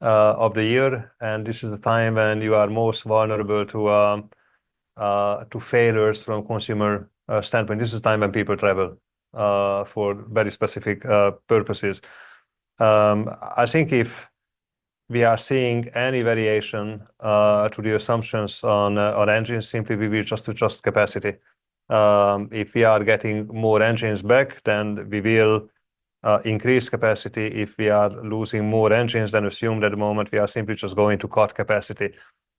of the year. And this is the time when you are most vulnerable to failures from a consumer standpoint. This is the time when people travel for very specific purposes. I think if we are seeing any variation to the assumptions on engines, simply we will just adjust capacity. If we are getting more engines back, then we will increase capacity. If we are losing more engines, then assume that at the moment, we are simply just going to cut capacity.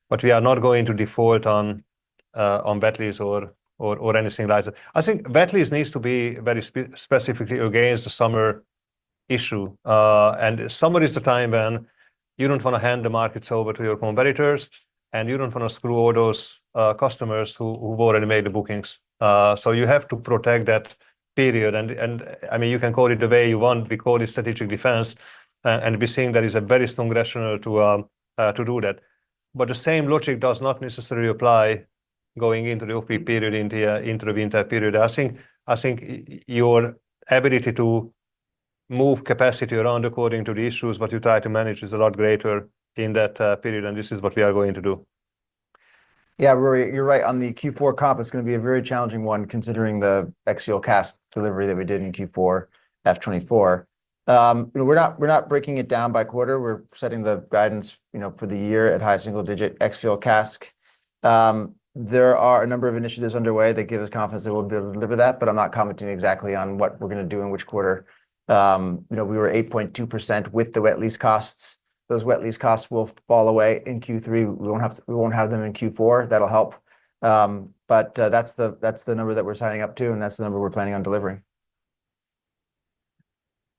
But we are not going to default on slots or anything like that. I think slots needs to be very specifically against the summer issue. And summer is the time when you don't want to hand the markets over to your competitors, and you don't want to screw all those customers who've already made the bookings. So you have to protect that period. And I mean, you can call it the way you want. We call it strategic defense. And we're seeing that it's a very strong rationale to do that. But the same logic does not necessarily apply going into the off-peak period, into the winter period. I think your ability to move capacity around according to the issues, what you try to manage is a lot greater in that period. And this is what we are going to do. Yeah, Ruairi, you're right. On the Q4 comp, it's going to be a very challenging one considering the ex-fuel CASK delivery that we did in Q4 F24. We're not breaking it down by quarter. We're setting the guidance for the year at high single digit ex-fuel CASK. There are a number of initiatives underway that give us confidence that we'll be able to deliver that, but I'm not commenting exactly on what we're going to do in which quarter. We were 8.2% with the wet lease costs. Those wet lease costs will fall away in Q3. We won't have them in Q4. That'll help. But that's the number that we're signing up to, and that's the number we're planning on delivering.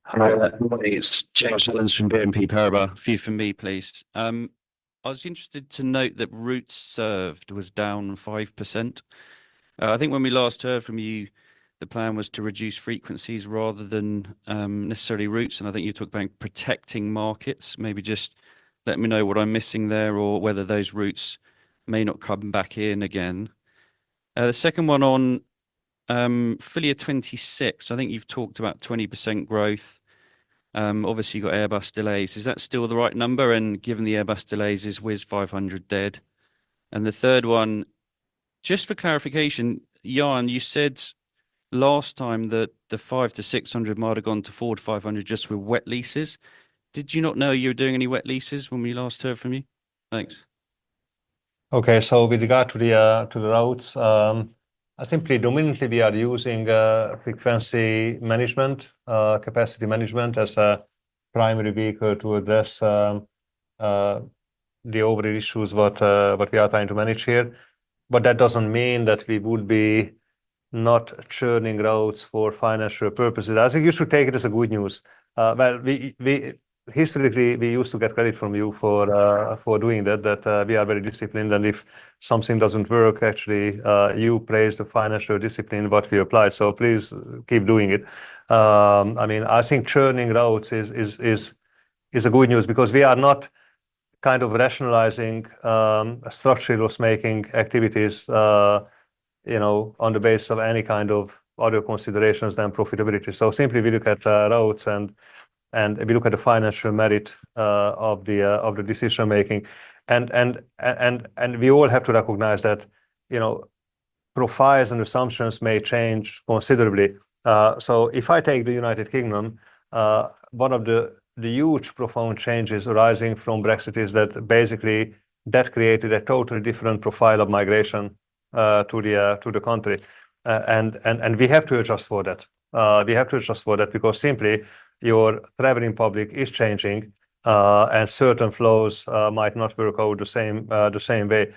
Hi, that's James Hollins from BNP Paribas. A few from me, please. I was interested to note that routes served was down 5%. I think when we last heard from you, the plan was to reduce frequencies rather than necessarily routes. I think you talked about protecting markets. Maybe just let me know what I'm missing there or whether those routes may not come back in again. The second one on FY 2026, I think you've talked about 20% growth. Obviously, you've got Airbus delays. Is that still the right number? Given the Airbus delays, is Wizz 500 dead? The third one, just for clarification, Jan, you said last time that the 500-600 might have gone to Ford 500 just with wet leases. Did you not know you were doing any wet leases when we last heard from you? Thanks. Okay, so with regard to the routes, simply dominantly, we are using frequency management, capacity management as a primary vehicle to address the overhead issues that we are trying to manage here. But that doesn't mean that we would be not churning routes for financial purposes. I think you should take it as good news. Historically, we used to get credit from you for doing that, that we are very disciplined. And if something doesn't work, actually, you praise the financial discipline that we apply. So please keep doing it. I mean, I think churning routes is a good news because we are not kind of rationalizing structural loss-making activities on the basis of any kind of other considerations than profitability. So simply, we look at routes, and we look at the financial merit of the decision-making. And we all have to recognize that profiles and assumptions may change considerably. So if I take the United Kingdom, one of the huge profound changes arising from Brexit is that basically that created a totally different profile of migration to the country. And we have to adjust for that. We have to adjust for that because simply, your traveling public is changing, and certain flows might not work out the same way.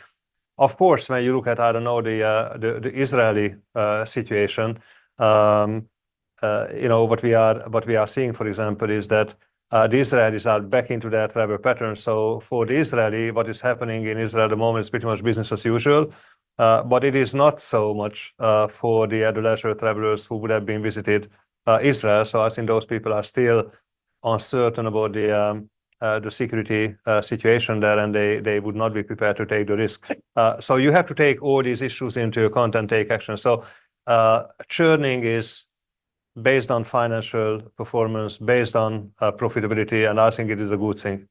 Of course, when you look at, I don't know, the Israeli situation, what we are seeing, for example, is that the Israelis are back into their travel patterns. So for Israel, what is happening in Israel at the moment is pretty much business as usual. But it is not so much for the international travelers who would have been visiting Israel. So I think those people are still uncertain about the security situation there, and they would not be prepared to take the risk. So you have to take all these issues into account and take action. So churning is based on financial performance, based on profitability, and I think it is a good thing.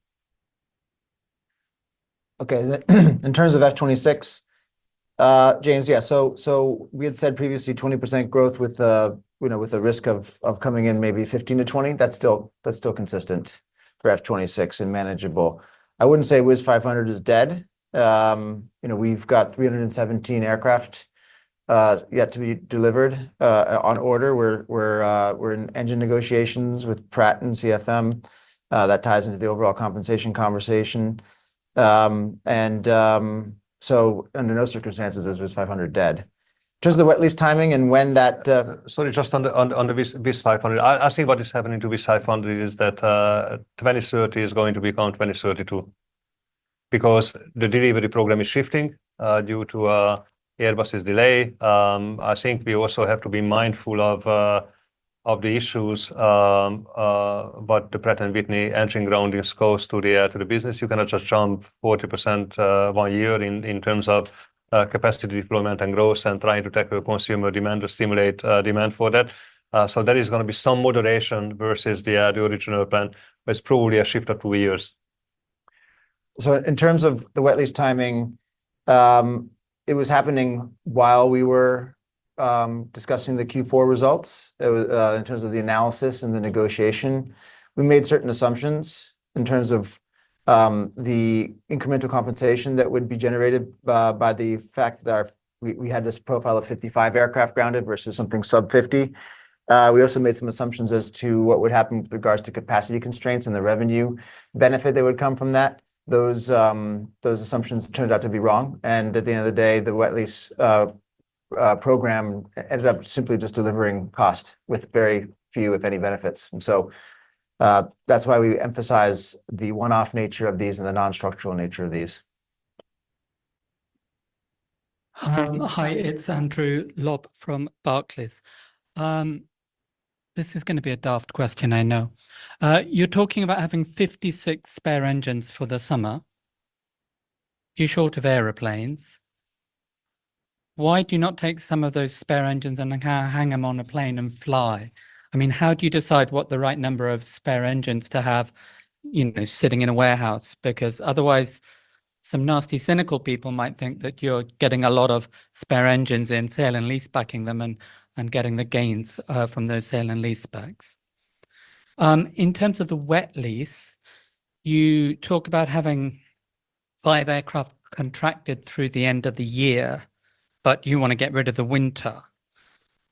Okay, in terms of F26, James, yeah. So we had said previously 20% growth with a risk of coming in maybe 15%-20%. That's still consistent for F26 and manageable. I wouldn't say Wizz 500 is dead. We've got 317 aircraft yet to be delivered on order. We're in engine negotiations with Pratt and CFM. That ties into the overall compensation conversation. And so under no circumstances is Wizz 500 dead. In terms of the wet lease timing and when that. Sorry, just on the Wizz 500. I think what is happening to Wizz 500 is that 2030 is going to become 2032 because the delivery program is shifting due to Airbus's delay. I think we also have to be mindful of the issues, but the Pratt & Whitney entering ground is close to the business. You cannot just jump 40% one year in terms of capacity deployment and growth and trying to tackle consumer demand or stimulate demand for that. So there is going to be some moderation versus the original plan, but it's probably a shift of two years. So in terms of the wet lease timing, it was happening while we were discussing the Q4 results in terms of the analysis and the negotiation. We made certain assumptions in terms of the incremental compensation that would be generated by the fact that we had this profile of 55 aircraft grounded versus something sub-50. We also made some assumptions as to what would happen with regards to capacity constraints and the revenue benefit that would come from that. Those assumptions turned out to be wrong. And at the end of the day, the wet lease program ended up simply just delivering cost with very few, if any, benefits. And so that's why we emphasize the one-off nature of these and the non-structural nature of these. Hi, it's Andrew Lobbenberg from Barclays. This is going to be a daft question, I know. You're talking about having 56 spare engines for the summer. You're short of airplanes. Why do you not take some of those spare engines and hang them on a plane and fly? I mean, how do you decide what the right number of spare engines to have sitting in a warehouse? Because otherwise, some nasty cynical people might think that you're getting a lot of spare engines in, sale and leasebacking them and getting the gains from those sale and leasebacks. In terms of the wet lease, you talk about having 5 aircraft contracted through the end of the year, but you want to get rid of the winter.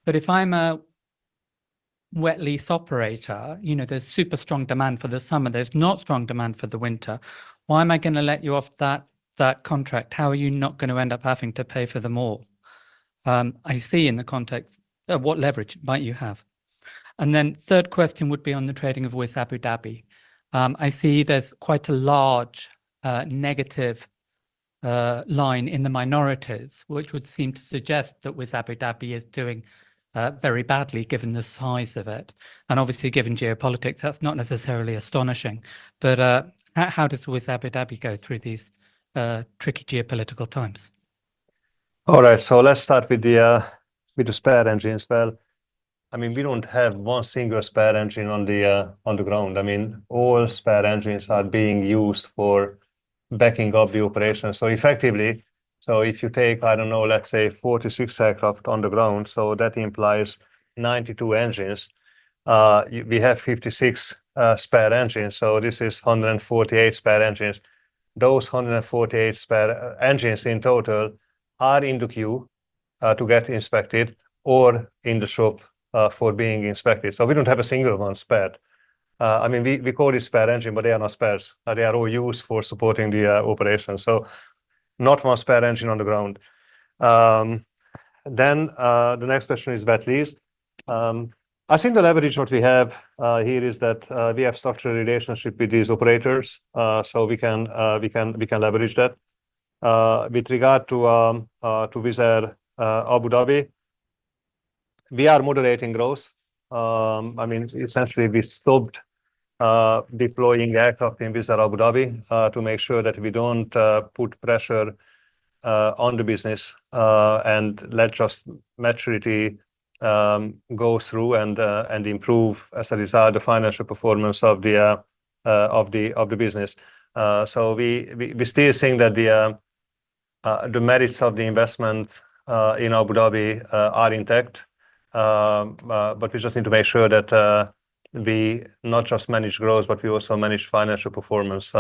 But if I'm a wet lease operator, there's super strong demand for the summer. There's not strong demand for the winter. Why am I going to let you off that contract? How are you not going to end up having to pay for them all? I see in the context what leverage might you have? And then third question would be on the trading of Wizz Abu Dhabi. I see there's quite a large negative line in the minorities, which would seem to suggest that Wizz Abu Dhabi is doing very badly given the size of it. And obviously, given geopolitics, that's not necessarily astonishing. But how does Wizz Abu Dhabi go through these tricky geopolitical times? All right, so let's start with the spare engines. Well, I mean, we don't have one single spare engine on the ground. I mean, all spare engines are being used for backing up the operation. So effectively, if you take, I don't know, let's say 46 aircraft on the ground, so that implies 92 engines. We have 56 spare engines, so this is 148 spare engines. Those 148 spare engines in total are in the queue to get inspected or in the shop for being inspected. So we don't have a single one spared. I mean, we call it spare engine, but they are not spares. They are all used for supporting the operation. So not one spare engine on the ground. Then the next question is wet lease. I think the leverage that we have here is that we have structural relationship with these operators, so we can leverage that. With regard to Wizz Air Abu Dhabi, we are moderating growth. I mean, essentially, we stopped deploying aircraft in Wizz Air Abu Dhabi to make sure that we don't put pressure on the business and let just maturity go through and improve as a result of the financial performance of the business. So we're still seeing that the merits of the investment in Abu Dhabi are intact. But we just need to make sure that we not just manage growth, but we also manage financial performance.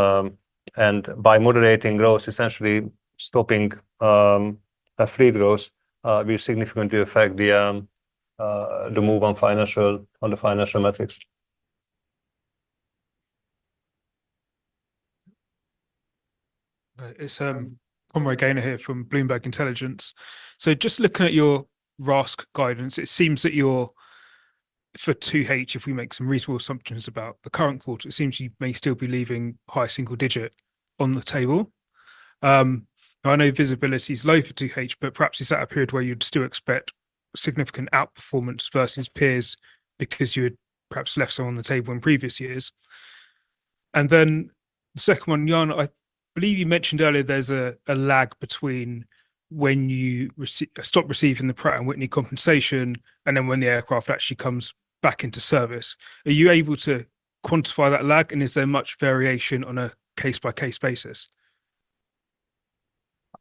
And by moderating growth, essentially stopping free growth, we significantly affect the move on the financial metrics. It's Conroy Gaynor here from Bloomberg Intelligence. So just looking at your RASK guidance, it seems that you're for 2H, if we make some reasonable assumptions about the current quarter, it seems you may still be leaving high single digit on the table. I know visibility is low for 2H, but perhaps is that a period where you'd still expect significant outperformance versus peers because you had perhaps left some on the table in previous years? And then the second one, Jan, I believe you mentioned earlier there's a lag between when you stop receiving the Pratt & Whitney compensation and then when the aircraft actually comes back into service. Are you able to quantify that lag, and is there much variation on a case-by-case basis?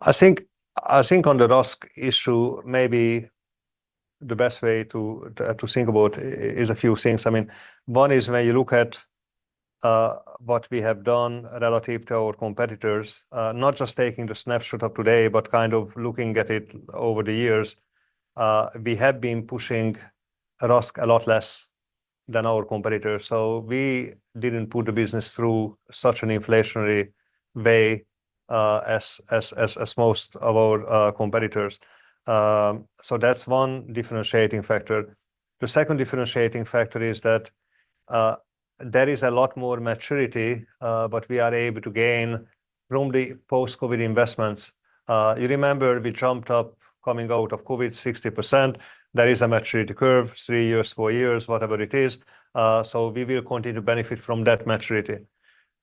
I think on the RASK issue, maybe the best way to think about it is a few things. I mean, one is when you look at what we have done relative to our competitors, not just taking the snapshot of today, but kind of looking at it over the years, we have been pushing RASK a lot less than our competitors. So we didn't put the business through such an inflationary way as most of our competitors. So that's one differentiating factor. The second differentiating factor is that there is a lot more maturity, but we are able to gain from the post-COVID investments. You remember we jumped up coming out of COVID 60%. There is a maturity curve, three years, four years, whatever it is. So we will continue to benefit from that maturity.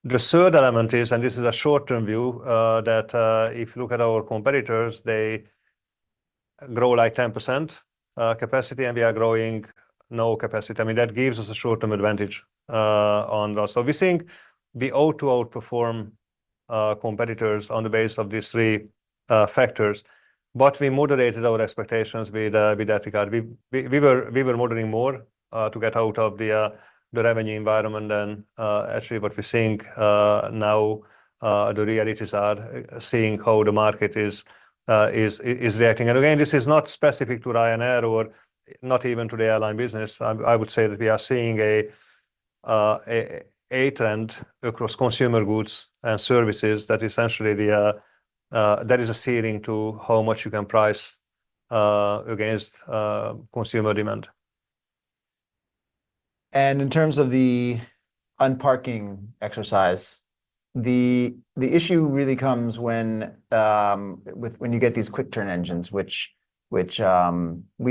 The third element is, and this is a short-term view, that if you look at our competitors, they grow like 10% capacity, and we are growing no capacity. I mean, that gives us a short-term advantage on RASK. So we think we ought to outperform competitors on the basis of these three factors. But we moderated our expectations with that regard. We were moderating more to get out of the revenue environment than actually what we think now the realities are, seeing how the market is reacting. And again, this is not specific to Ryanair or not even to the airline business. I would say that we are seeing a trend across consumer goods and services that essentially there is a ceiling to how much you can price against consumer demand. And in terms of the unparking exercise, the issue really comes when you get these quick turn engines, which we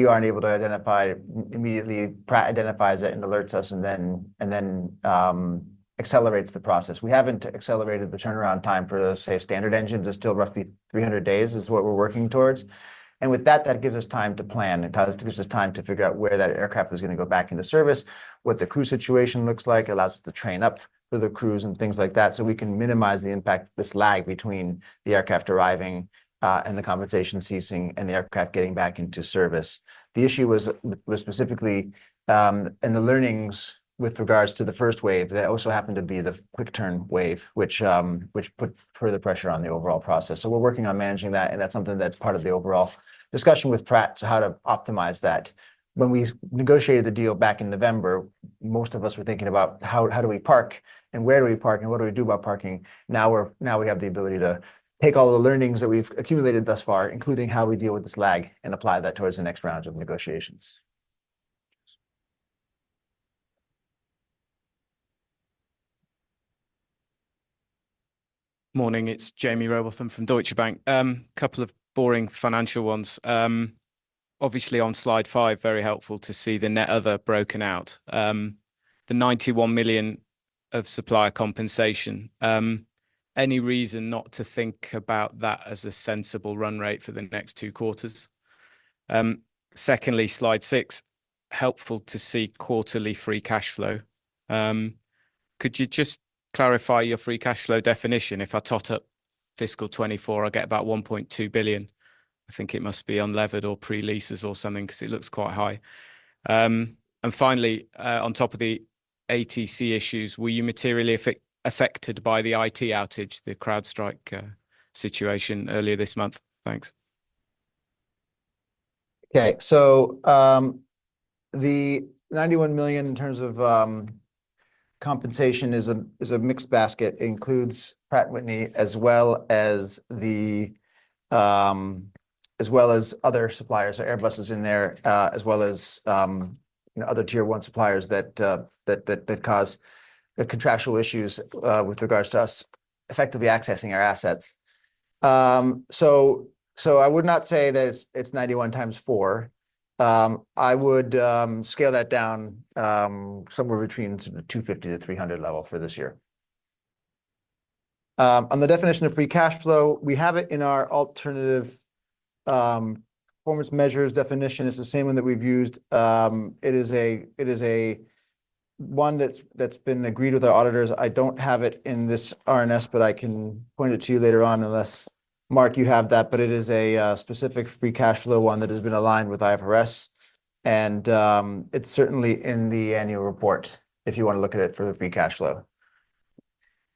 aren't able to identify immediately. Pratt identifies it and alerts us and then accelerates the process. We haven't accelerated the turnaround time for those, say, standard engines. It's still roughly 300 days is what we're working towards. And with that, that gives us time to plan. It gives us time to figure out where that aircraft is going to go back into service, what the crew situation looks like, allows us to train up for the crews and things like that. So we can minimize the impact, this lag between the aircraft arriving and the compensation ceasing and the aircraft getting back into service. The issue was specifically in the learnings with regards to the first wave. That also happened to be the quick turn wave, which put further pressure on the overall process. So we're working on managing that, and that's something that's part of the overall discussion with Pratt, how to optimize that. When we negotiated the deal back in November, most of us were thinking about how do we park and where do we park and what do we do about parking. Now we have the ability to take all the learnings that we've accumulated thus far, including how we deal with this lag, and apply that towards the next round of negotiations. Morning, it's Jaime Rowbotham from Deutsche Bank. A couple of boring financial ones. Obviously, on slide 5, very helpful to see the net other broken out. The 91 million of supplier compensation. Any reason not to think about that as a sensible run rate for the next 2 quarters? Secondly, slide 6, helpful to see quarterly free cash flow. Could you just clarify your free cash flow definition? If I tot up fiscal 2024, I get about 1.2 billion. I think it must be unlevered or pre-leases or something because it looks quite high. And finally, on top of the ATC issues, were you materially affected by the IT outage, the CrowdStrike situation earlier this month? Thanks. Okay, so the 91 million in terms of compensation is a mixed basket. It includes Pratt & Whitney as well as other suppliers or Airbus is in there, as well as other tier one suppliers that cause contractual issues with regards to us effectively accessing our assets. So I would not say that it's 91 × 4. I would scale that down somewhere between 250-300 level for this year. On the definition of free cash flow, we have it in our alternative performance measures definition. It's the same one that we've used. It is a one that's been agreed with our auditors. I don't have it in this RNS, but I can point it to you later on unless, Mark, you have that. But it is a specific free cash flow one that has been aligned with IFRS. And it's certainly in the annual report if you want to look at it for the free cash flow.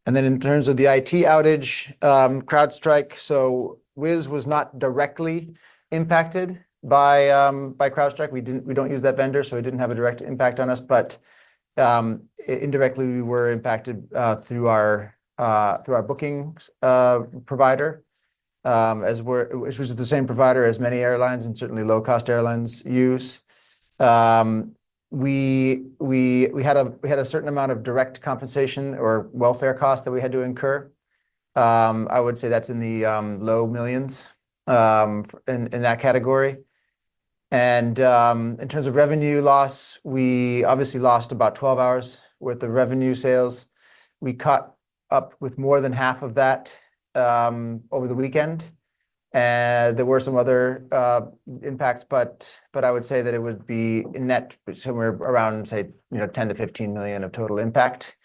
And then in terms of the IT outage, CrowdStrike, so Wizz was not directly impacted by CrowdStrike. We don't use that vendor, so it didn't have a direct impact on us. But indirectly, we were impacted through our booking provider, which was the same provider as many airlines and certainly low-cost airlines use. We had a certain amount of direct compensation or welfare cost that we had to incur. I would say that's EUR low millions in that category. In terms of revenue loss, we obviously lost about 12 hours' worth of revenue sales. We caught up with more than half of that over the weekend. There were some other impacts, but I would say that it would be in net somewhere around, say, 10-15 million of total impact.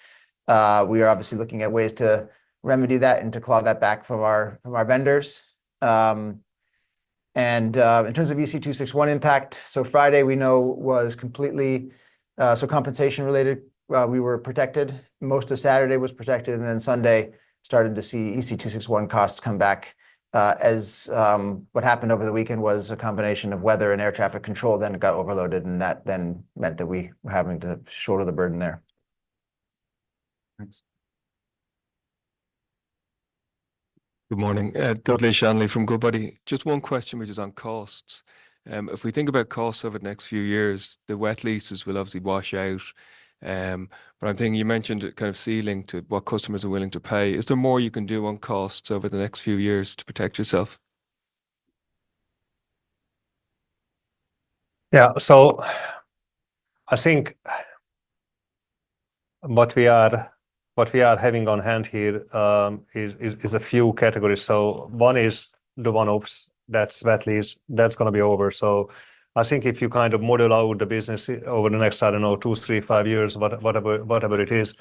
We are obviously looking at ways to remedy that and to claw that back from our vendors. In terms of EC261 impact, so Friday, we know, was completely compensation related. We were protected. Most of Saturday was protected, and then Sunday started to see EC261 costs come back. What happened over the weekend was a combination of weather and air traffic control then got overloaded, and that then meant that we were having to shoulder the burden there. Thanks. Good morning. Dudley Shanley from Goodbody. Just one question, which is on costs. If we think about costs over the next few years, the wet leases will obviously wash out. But I think you mentioned it kind of yielding to what customers are willing to pay. Is there more you can do on costs over the next few years to protect yourself? Yeah, so I think what we are having on hand here is a few categories. So one is the one that's wet lease, that's going to be over. So I think if you kind of model out the business over the next, I don't know, 2, 3, 5 years, whatever it is,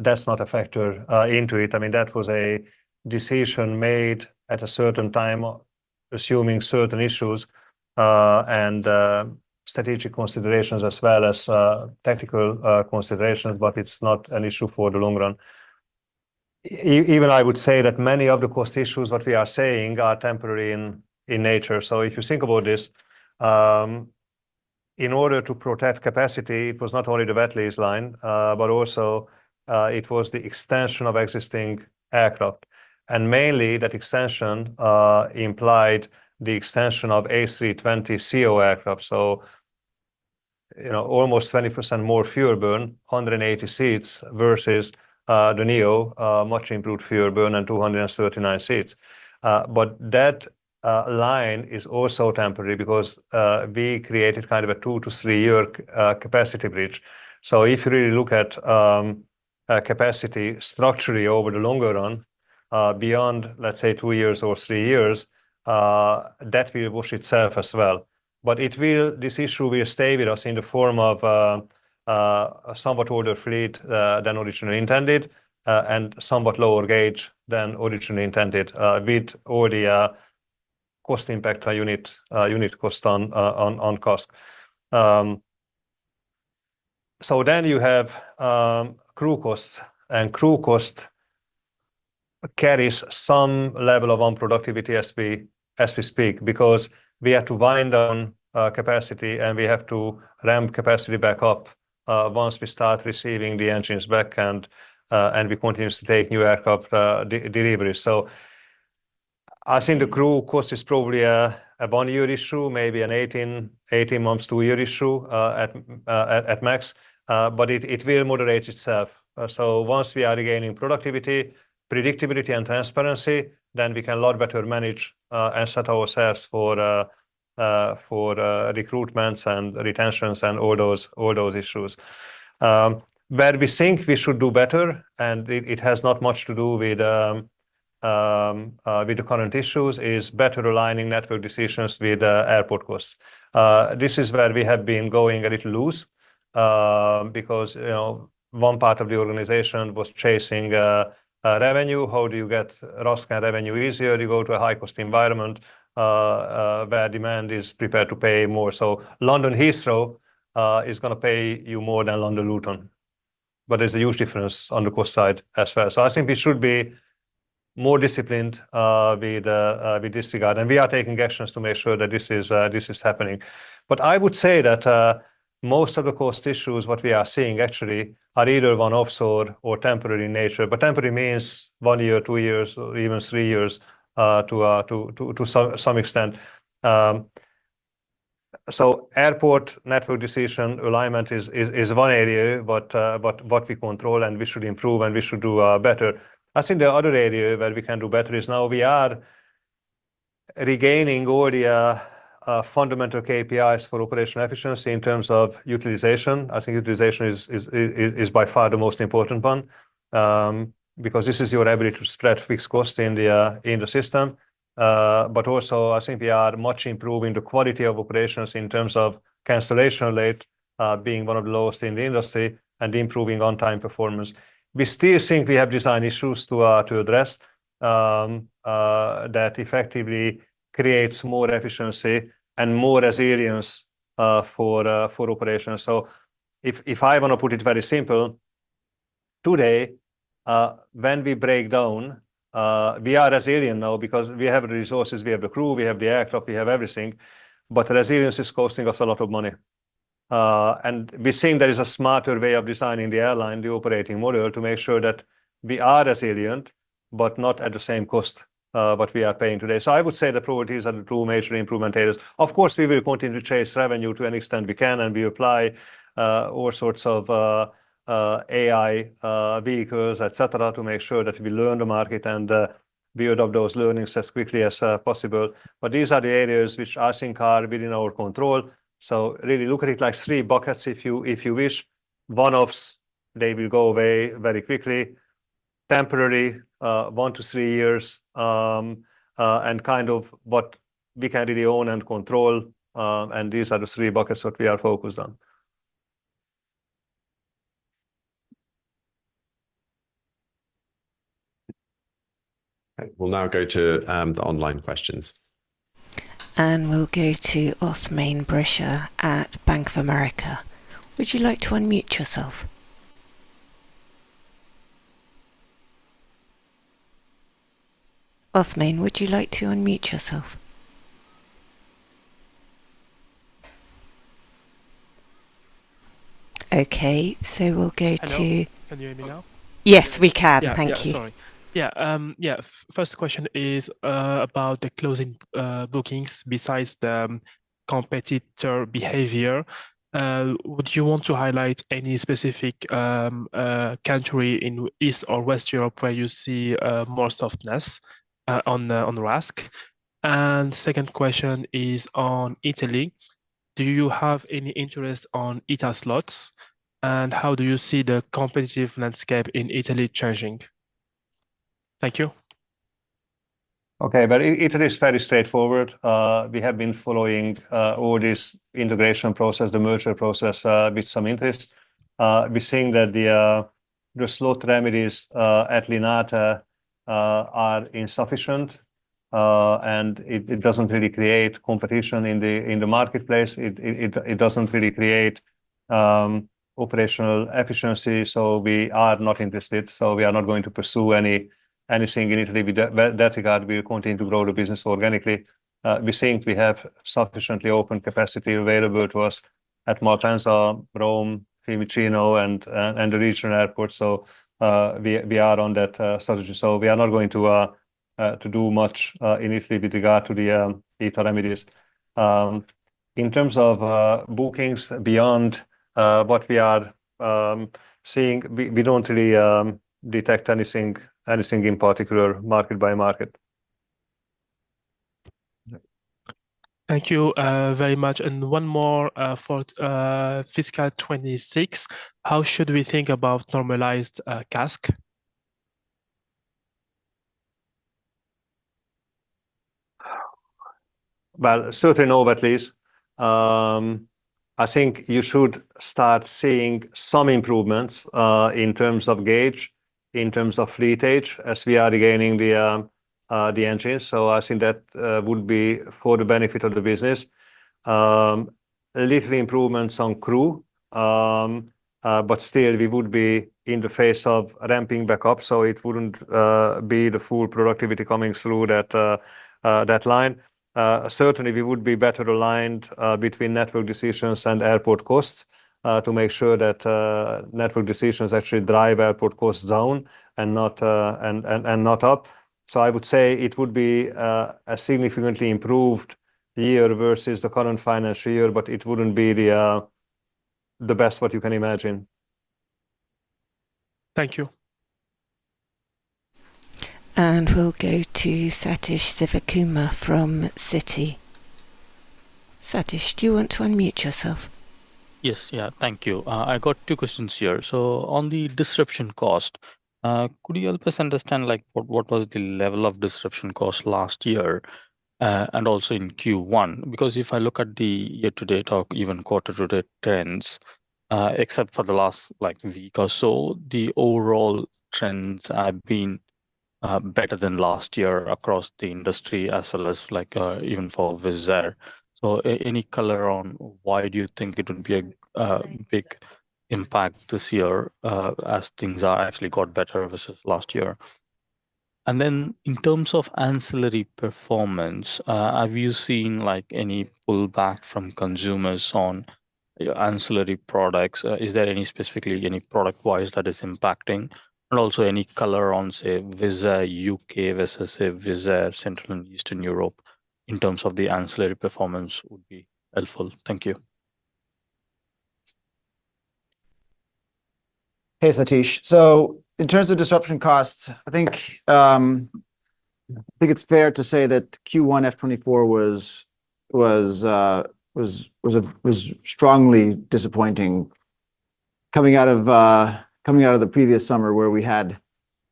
that's not a factor into it. I mean, that was a decision made at a certain time, assuming certain issues and strategic considerations as well as technical considerations, but it's not an issue for the long run. Even I would say that many of the cost issues that we are saying are temporary in nature. So if you think about this, in order to protect capacity, it was not only the wet lease line, but also it was the extension of existing aircraft. And mainly that extension implied the extension of A320ceo aircraft. So almost 20% more fuel burn, 180 seats versus the new much improved fuel burn and 239 seats. But that line is also temporary because we created kind of a 2-3-year capacity bridge. So if you really look at capacity structurally over the longer run, beyond, let's say, 2 years or 3 years, that will wash itself as well. But this issue will stay with us in the form of a somewhat older fleet than originally intended and somewhat lower gauge than originally intended with all the cost impact per unit cost on cost. So then you have crew costs, and crew cost carries some level of unproductivity as we speak because we have to wind down capacity, and we have to ramp capacity back up once we start receiving the engines back, and we continue to take new aircraft delivery. So I think the crew cost is probably a 1-year issue, maybe an 18-month, 2-year issue at max, but it will moderate itself. So once we are regaining productivity, predictability, and transparency, then we can a lot better manage and set ourselves for recruitments and retentions and all those issues. Where we think we should do better, and it has not much to do with the current issues, is better aligning network decisions with airport costs. This is where we have been going a little loose because one part of the organization was chasing revenue. How do you get RASK revenue easier? You go to a high-cost environment where demand is prepared to pay more. So London Heathrow is going to pay you more than London Luton. But there's a huge difference on the cost side as well. So I think we should be more disciplined with this regard. And we are taking actions to make sure that this is happening. I would say that most of the cost issues, what we are seeing actually, are either one-offs or temporary in nature. Temporary means one year, two years, or even three years to some extent. Airport network decision alignment is one area but what we control and we should improve and we should do better. I think the other area where we can do better is now we are regaining all the fundamental KPIs for operational efficiency in terms of utilization. I think utilization is by far the most important one because this is your ability to spread fixed cost in the system. But also, I think we are much improving the quality of operations in terms of cancellation rate being one of the lowest in the industry and improving on-time performance. We still think we have design issues to address that effectively creates more efficiency and more resilience for operations. So if I want to put it very simple, today, when we break down, we are resilient now because we have the resources, we have the crew, we have the aircraft, we have everything. But resilience is costing us a lot of money. And we think there is a smarter way of designing the airline, the operating model, to make sure that we are resilient, but not at the same cost that we are paying today. So I would say the probabilities are the two major improvement areas. Of course, we will continue to chase revenue to an extent we can, and we apply all sorts of AI vehicles, etc., to make sure that we learn the market and build up those learnings as quickly as possible. But these are the areas which I think are within our control. So really look at it like three buckets if you wish. One-offs, they will go away very quickly. Temporary, 1-3 years, and kind of what we can really own and control. These are the three buckets that we are focused on. We'll now go to the online questions. We'll go to Osmein Bresher at Bank of America. Would you like to unmute yourself? Osmein, would you like to unmute yourself? Okay, so we'll go to. Can you hear me now? Yes, we can. Thank you. Yeah, yeah. First question is about the closing bookings besides the competitor behavior. Would you want to highlight any specific country in East or West Europe where you see more softness on ROSC? Second question is on Italy. Do you have any interest on ITA slots? And how do you see the competitive landscape in Italy changing? Thank you. Okay, but Italy is very straightforward. We have been following all this integration process, the merger process, with some interest. We're seeing that the slot remedies at Linate are insufficient, and it doesn't really create competition in the marketplace. It doesn't really create operational efficiency, so we are not interested. So we are not going to pursue anything in Italy with that regard. We'll continue to grow the business organically. We think we have sufficiently open capacity available to us at Malpensa, Rome, Fiumicino, and the regional airports. So we are on that strategy. So we are not going to do much in Italy with regard to the ITA remedies. In terms of bookings beyond what we are seeing, we don't really detect anything in particular market by market. Thank you very much. And one more for fiscal 2026. How should we think about normalized CASK? Well, certainly no wet lease. I think you should start seeing some improvements in terms of gauge, in terms of fleet age as we are regaining the engines. So I think that would be for the benefit of the business. Little improvements on crew, but still we would be in the face of ramping back up, so it wouldn't be the full productivity coming through that line. Certainly, we would be better aligned between network decisions and airport costs to make sure that network decisions actually drive airport costs down and not up. So I would say it would be a significantly improved year versus the current financial year, but it wouldn't be the best what you can imagine. Thank you. And we'll go to Satish Sivakumar from Citi. Satish, do you want to unmute yourself? Yes, yeah. Thank you. I got two questions here. So on the disruption cost, could you help us understand what was the level of disruption cost last year and also in Q1? Because if I look at the year-to-date or even quarter-to-date trends, except for the last week or so, the overall trends have been better than last year across the industry as well as even for Wizz Air. So any color on why do you think it would be a big impact this year as things have actually got better versus last year? And then in terms of ancillary performance, have you seen any pullback from consumers on ancillary products? Is there specifically any product-wise that is impacting? And also any color on, say, Wizz Air UK versus, say, Wizz Air Central and Eastern Europe in terms of the ancillary performance would be helpful. Thank you. Hey, Satish. So in terms of disruption costs, I think it's fair to say that Q1 F24 was strongly disappointing coming out of the previous summer where we had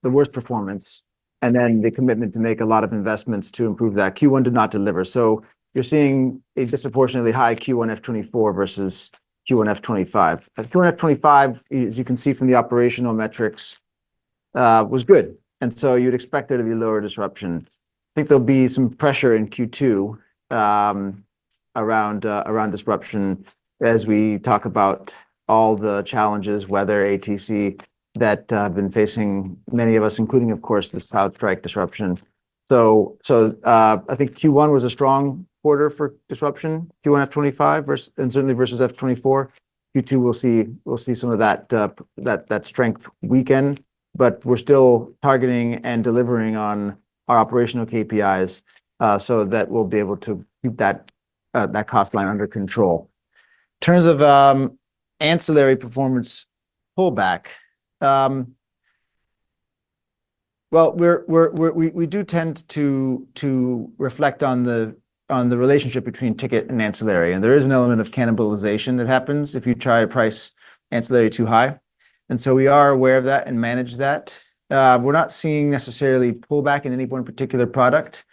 the worst performance and then the commitment to make a lot of investments to improve that. Q1 did not deliver. So you're seeing a disproportionately high Q1 F24 versus Q1 F25. Q1 F25, as you can see from the operational metrics, was good. And so you'd expect there to be lower disruption. I think there'll be some pressure in Q2 around disruption as we talk about all the challenges, weather, ATC that have been facing many of us, including, of course, this CrowdStrike disruption. So I think Q1 was a strong quarter for disruption. Q1 F25, and certainly versus F24, Q2, we'll see some of that strength weaken. But we're still targeting and delivering on our operational KPIs so that we'll be able to keep that cost line under control. In terms of ancillary performance pullback, well, we do tend to reflect on the relationship between ticket and ancillary. And there is an element of cannibalization that happens if you try to price ancillary too high. And so we are aware of that and manage that. We're not seeing necessarily pullback in any one particular product.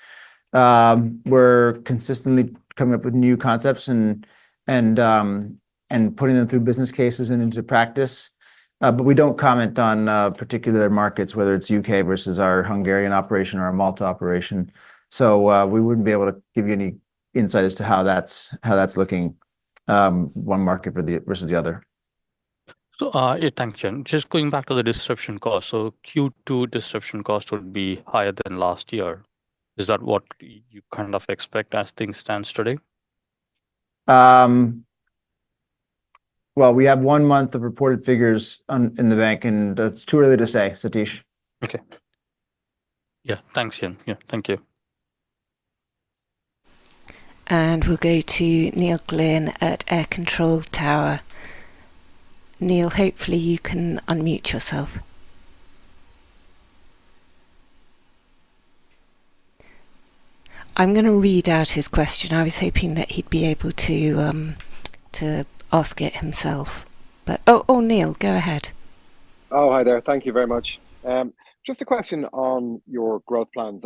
We're consistently coming up with new concepts and putting them through business cases and into practice. But we don't comment on particular markets, whether it's U.K. versus our Hungarian operation or our Malta operation. So we wouldn't be able to give you any insight as to how that's looking one market versus the other. Thank you. Just going back to the disruption cost, so Q2 disruption cost would be higher than last year. Is that what you kind of expect as things stand today? Well, we have one month of reported figures in the bank, and it's too early to say, Satish. Okay. Yeah. Thanks, Ian. Yeah. Thank you. And we'll go to Neil Glynn at Air Control Tower. Neil, hopefully you can unmute yourself. I'm going to read out his question. I was hoping that he'd be able to ask it himself. Oh, Neil, go ahead. Oh, hi there. Thank you very much. Just a question on your growth plans.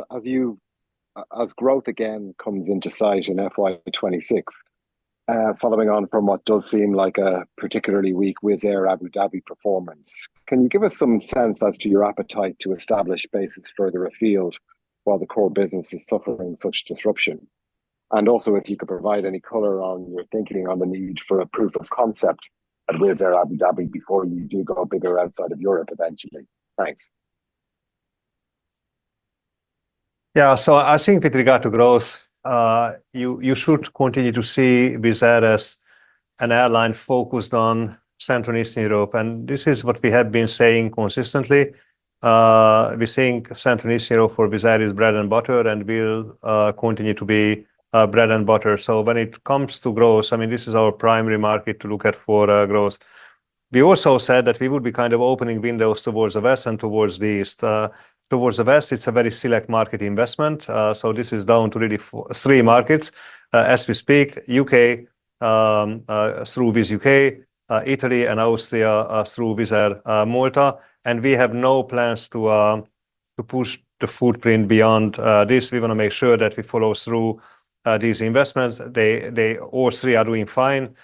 As growth again comes into sight in FY26, following on from what does seem like a particularly weak Wizz Air Abu Dhabi performance, can you give us some sense as to your appetite to establish basis for the refill while the core business is suffering such disruption? And also, if you could provide any color on your thinking on the need for a proof of concept at Wizz Air Abu Dhabi before you do go bigger outside of Europe eventually? Thanks. Yeah. So I think with regard to growth, you should continue to see Wizz Air as an airline focused on Central and Eastern Europe. And this is what we have been saying consistently. We think Central and Eastern Europe for Wizz Air is bread and butter, and we'll continue to be bread and butter. So when it comes to growth, I mean, this is our primary market to look at for growth. We also said that we would be kind of opening windows towards the west and towards the east. Towards the west, it's a very select market investment. So this is down to really three markets as we speak: UK through Wizz UK, Italy, and Austria through Wizz Air Malta. And we have no plans to push the footprint beyond this. We want to make sure that we follow through these investments. All three are doing fine,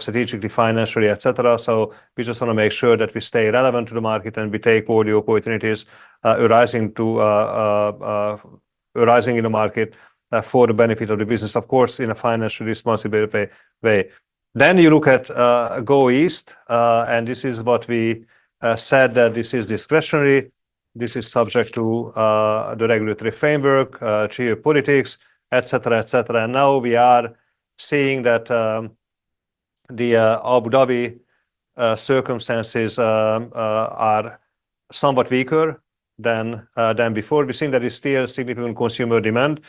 strategically, financially, etc. So we just want to make sure that we stay relevant to the market and we take all the opportunities arising in the market for the benefit of the business, of course, in a financial responsibility way. Then you look at go east, and this is what we said that this is discretionary. This is subject to the regulatory framework, geopolitics, etc., etc. Now we are seeing that the Abu Dhabi circumstances are somewhat weaker than before. We're seeing that it's still significant consumer demand,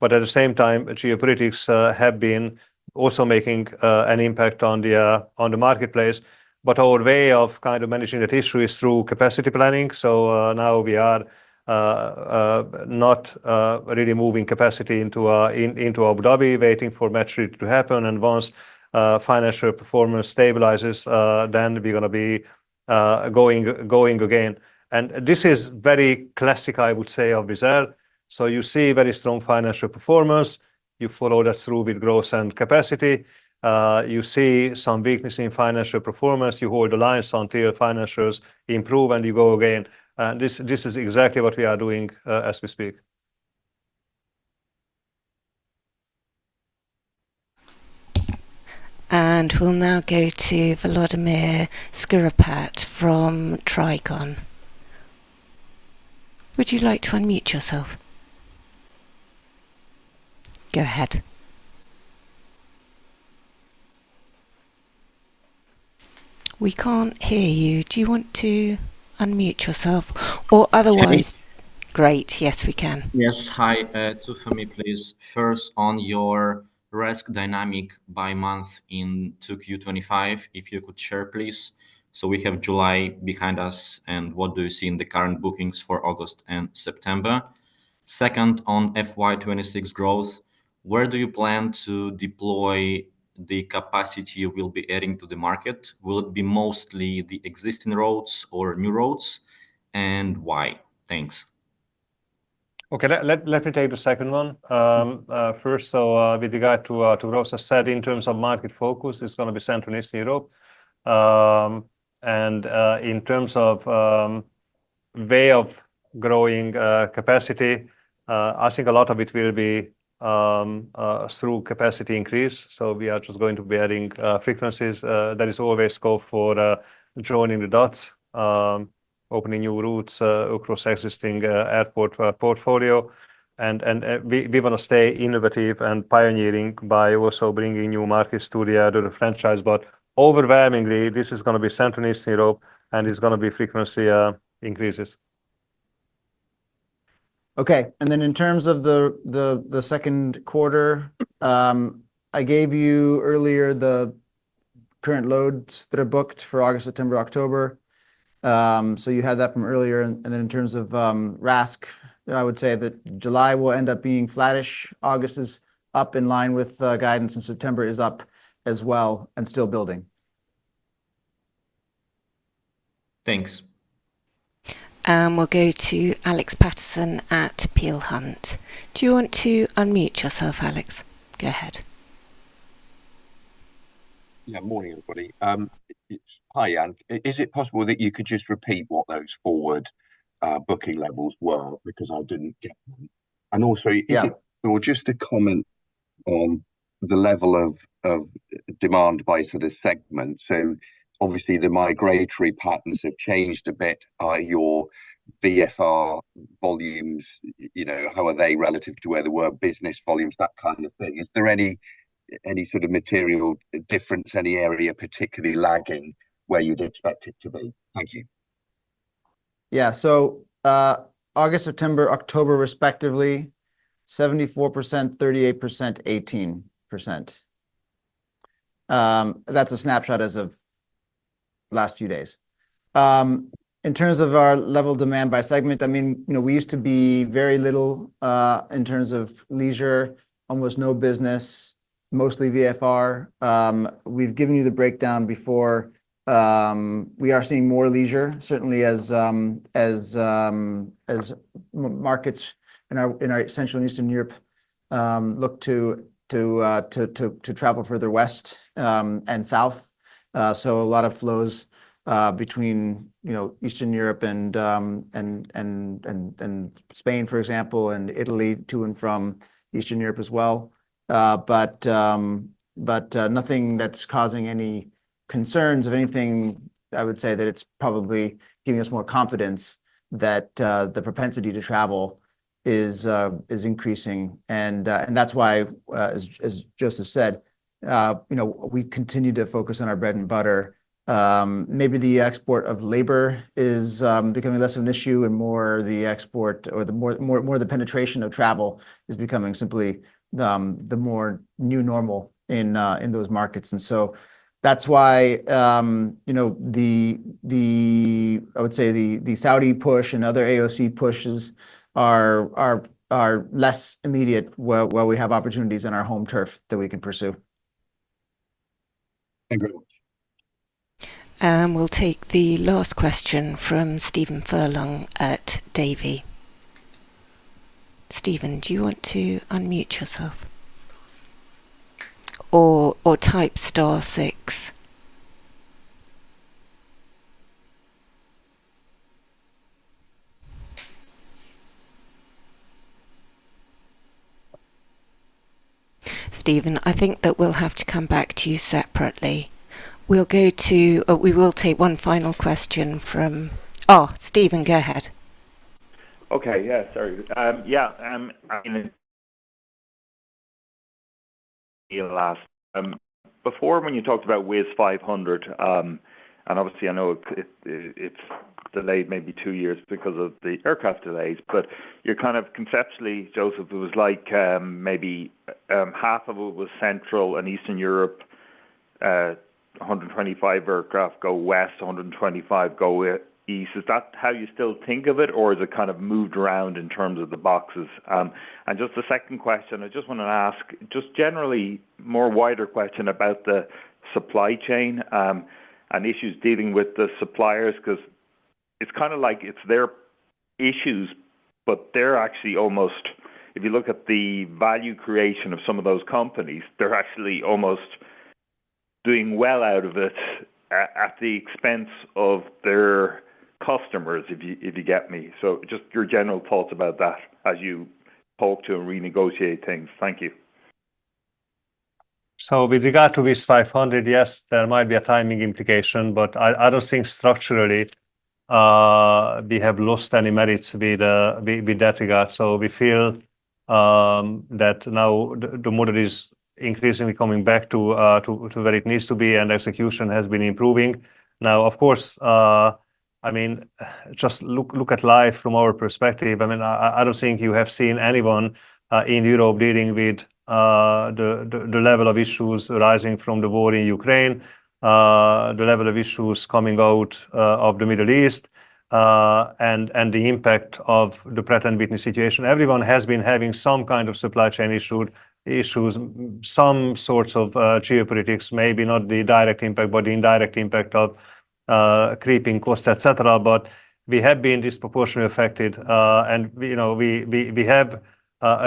but at the same time, geopolitics have been also making an impact on the marketplace. Our way of kind of managing that issue is through capacity planning. Now we are not really moving capacity into Abu Dhabi, waiting for market to happen. Once financial performance stabilizes, then we're going to be going again. This is very classic, I would say, of Wizz Air. You see very strong financial performance. You follow that through with growth and capacity. You see some weakness in financial performance. You hold the lines until financials improve and you go again. This is exactly what we are doing as we speak. And we'll now go to Volodymyr Shkuropat from Trigon. Would you like to unmute yourself? Go ahead. We can't hear you. Do you want to unmute yourself or otherwise? Great. Yes, we can. Yes. Hi. Two for me, please. First, on your risk dynamic by month in Q25, if you could share, please. So we have July behind us. And what do you see in the current bookings for August and September? Second, on FY26 growth, where do you plan to deploy the capacity you will be adding to the market? Will it be mostly the existing roads or new roads? And why? Thanks. Okay. Let me take the second one. First, so with regard to growth, as I said, in terms of market focus, it's going to be Central and Eastern Europe. In terms of the way of growing capacity, I think a lot of it will be through capacity increase. We are just going to be adding frequencies. There is always scope for joining the dots, opening new routes across existing airport portfolio. We want to stay innovative and pioneering by also bringing new markets to the franchise. But overwhelmingly, this is going to be Central and Eastern Europe, and it's going to be frequency increases. Okay. Then in terms of the second quarter, I gave you earlier the current loads that are booked for August, September, October. You had that from earlier. Then in terms of RASC, I would say that July will end up being flattish. August is up in line with guidance, and September is up as well and still building. Thanks. We'll go to Alex Patterson at Peel Hunt. Do you want to unmute yourself, Alex? Go ahead. Yeah. Morning, everybody. Hi, Ian. Is it possible that you could just repeat what those forward booking levels were because I didn't get them? And also, is it just a comment on the level of demand by sort of segment? So obviously, the migratory patterns have changed a bit. Are your VFR volumes, how are they relative to where they were? Business volumes, that kind of thing. Is there any sort of material difference, any area particularly lagging where you'd expect it to be? Thank you. Yeah. So August, September, October respectively, 74%, 38%, 18%. That's a snapshot as of last few days. In terms of our level of demand by segment, I mean, we used to be very little in terms of leisure, almost no business, mostly VFR. We've given you the breakdown before. We are seeing more leisure, certainly as markets in our Central and Eastern Europe look to travel further west and south. So a lot of flows between Eastern Europe and Spain, for example, and Italy to and from Eastern Europe as well. But nothing that's causing any concerns of anything. I would say that it's probably giving us more confidence that the propensity to travel is increasing. And that's why, as Joseph said, we continue to focus on our bread and butter. Maybe the export of labor is becoming less of an issue and more the export or the more the penetration of travel is becoming simply the more new normal in those markets. And so that's why the, I would say, the Saudi push and other AOC pushes are less immediate while we have opportunities in our home turf that we can pursue. Thank you very much. And we'll take the last question from Stephen Furlong at Davy. Stephen, do you want to unmute yourself or type star six? Stephen, I think that we'll have to come back to you separately. We'll take one final question from oh, Stephen, go ahead. Okay. Yeah. Sorry. Yeah. Before, when you talked about Wizz 500, and obviously, I know it's delayed maybe two years because of the aircraft delays, but you're kind of conceptually, Joseph, it was like maybe half of what was Central and Eastern Europe, 125 aircraft go west, 125 go east. Is that how you still think of it, or has it kind of moved around in terms of the boxes? And just the second question, I just want to ask just generally more wider question about the supply chain and issues dealing with the suppliers because it's kind of like it's their issues, but they're actually almost, if you look at the value creation of some of those companies, they're actually almost doing well out of it at the expense of their customers, if you get me. So just your general thoughts about that as you talk to and renegotiate things. Thank you. So with regard to Wizz 500, yes, there might be a timing implication, but I don't think structurally we have lost any merits with that regard. So we feel that now the model is increasingly coming back to where it needs to be, and execution has been improving. Now, of course, I mean, just look at life from our perspective. I mean, I don't think you have seen anyone in Europe dealing with the level of issues arising from the war in Ukraine, the level of issues coming out of the Middle East, and the impact of the threat and weakness situation. Everyone has been having some kind of supply chain issues, some sorts of geopolitics, maybe not the direct impact, but the indirect impact of creeping costs, etc. But we have been disproportionately affected, and we have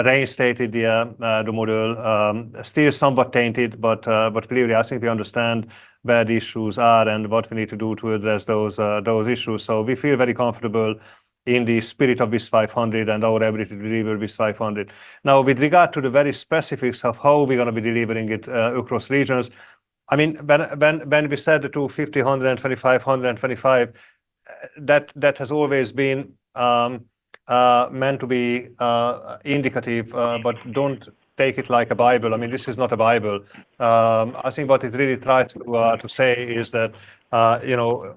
reinstated the model, still somewhat tainted, but clearly, I think we understand where the issues are and what we need to do to address those issues. So we feel very comfortable in the spirit of Wizz 500 and our ability to deliver Wizz 500. Now, with regard to the very specifics of how we're going to be delivering it across regions, I mean, when we said to 50, 100, and 25, 100, and 25, that has always been meant to be indicative, but don't take it like a Bible. I mean, this is not a Bible. I think what it really tries to say is that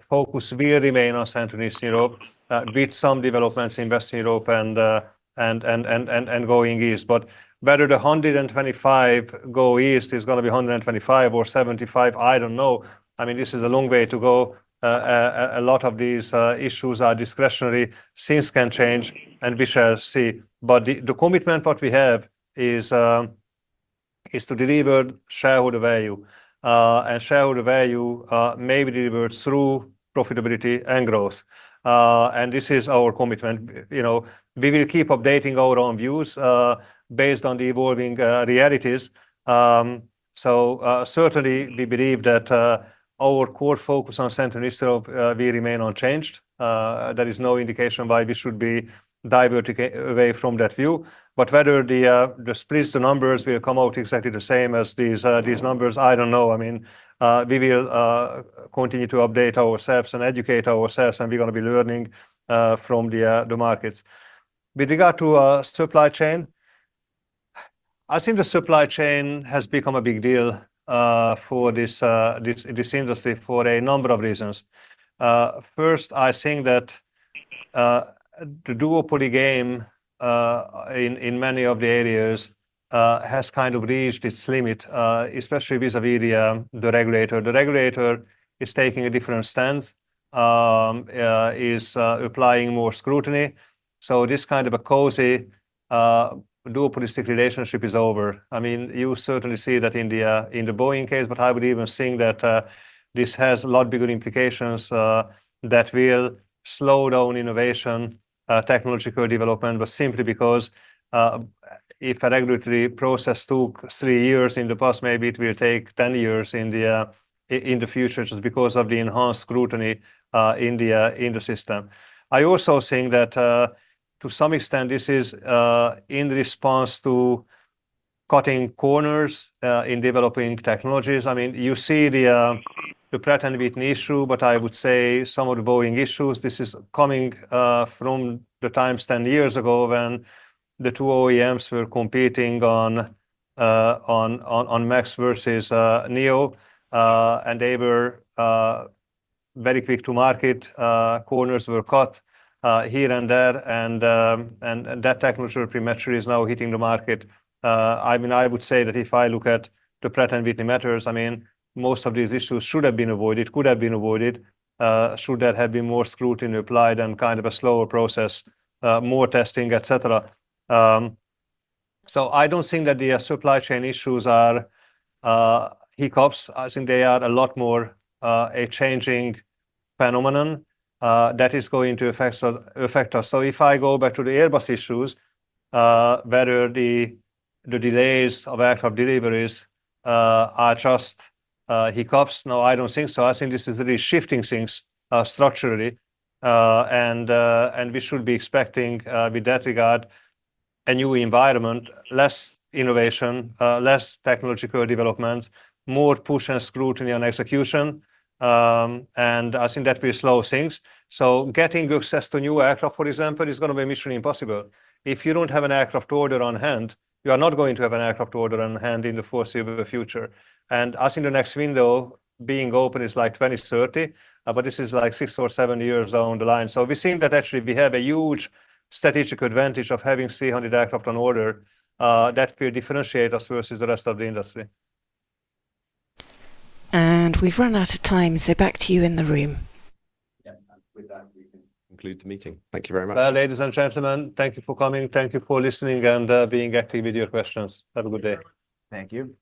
focus will remain on Central and Eastern Europe, with some developments in Western Europe and going east. But whether the 125 go east is going to be 125 or 75, I don't know. I mean, this is a long way to go. A lot of these issues are discretionary. Things can change, and we shall see. But the commitment what we have is to deliver shareholder value. And shareholder value may be delivered through profitability and growth. And this is our commitment. We will keep updating our own views based on the evolving realities. Certainly, we believe that our core focus on Central and Eastern Europe will remain unchanged. There is no indication why we should be diverting away from that view. But whether the numbers will come out exactly the same as these numbers, I don't know. I mean, we will continue to update ourselves and educate ourselves, and we're going to be learning from the markets. With regard to supply chain, I think the supply chain has become a big deal for this industry for a number of reasons. First, I think that the duopoly game in many of the areas has kind of reached its limit, especially vis-à-vis the regulator. The regulator is taking a different stance, is applying more scrutiny. So this kind of a cozy duopolistic relationship is over. I mean, you certainly see that in the Boeing case, but I would even think that this has a lot bigger implications that will slow down innovation, technological development, but simply because if a regulatory process took three years in the past, maybe it will take 10 years in the future just because of the enhanced scrutiny in the system. I also think that to some extent, this is in response to cutting corners in developing technologies. I mean, you see the 737 MAX issue, but I would say some of the Boeing issues, this is coming from the time 10 years ago when the two OEMs were competing on MAX versus NEO, and they were very quick to market. Corners were cut here and there, and that technological prematurity is now hitting the market. I mean, I would say that if I look at the threat and weakness matters, I mean, most of these issues should have been avoided, could have been avoided, should there have been more scrutiny applied and kind of a slower process, more testing, etc. So I don't think that the supply chain issues are hiccups. I think they are a lot more a changing phenomenon that is going to affect us. So if I go back to the Airbus issues, whether the delays of aircraft deliveries are just hiccups, no, I don't think so. I think this is really shifting things structurally. And we should be expecting with that regard a new environment, less innovation, less technological development, more push and scrutiny on execution. And I think that will slow things. So getting access to new aircraft, for example, is going to be a mission impossible. If you don't have an aircraft order on hand, you are not going to have an aircraft order on hand in the foreseeable future. I think the next window being open is like 2030, but this is like 6 or 7 years down the line. We think that actually we have a huge strategic advantage of having 300 aircraft on order that will differentiate us versus the rest of the industry. We've run out of time, so back to you in the room. Yeah. With that, we can conclude the meeting. Thank you very much. Ladies and gentlemen, thank you for coming. Thank you for listening and being active with your questions. Have a good day. Thank you.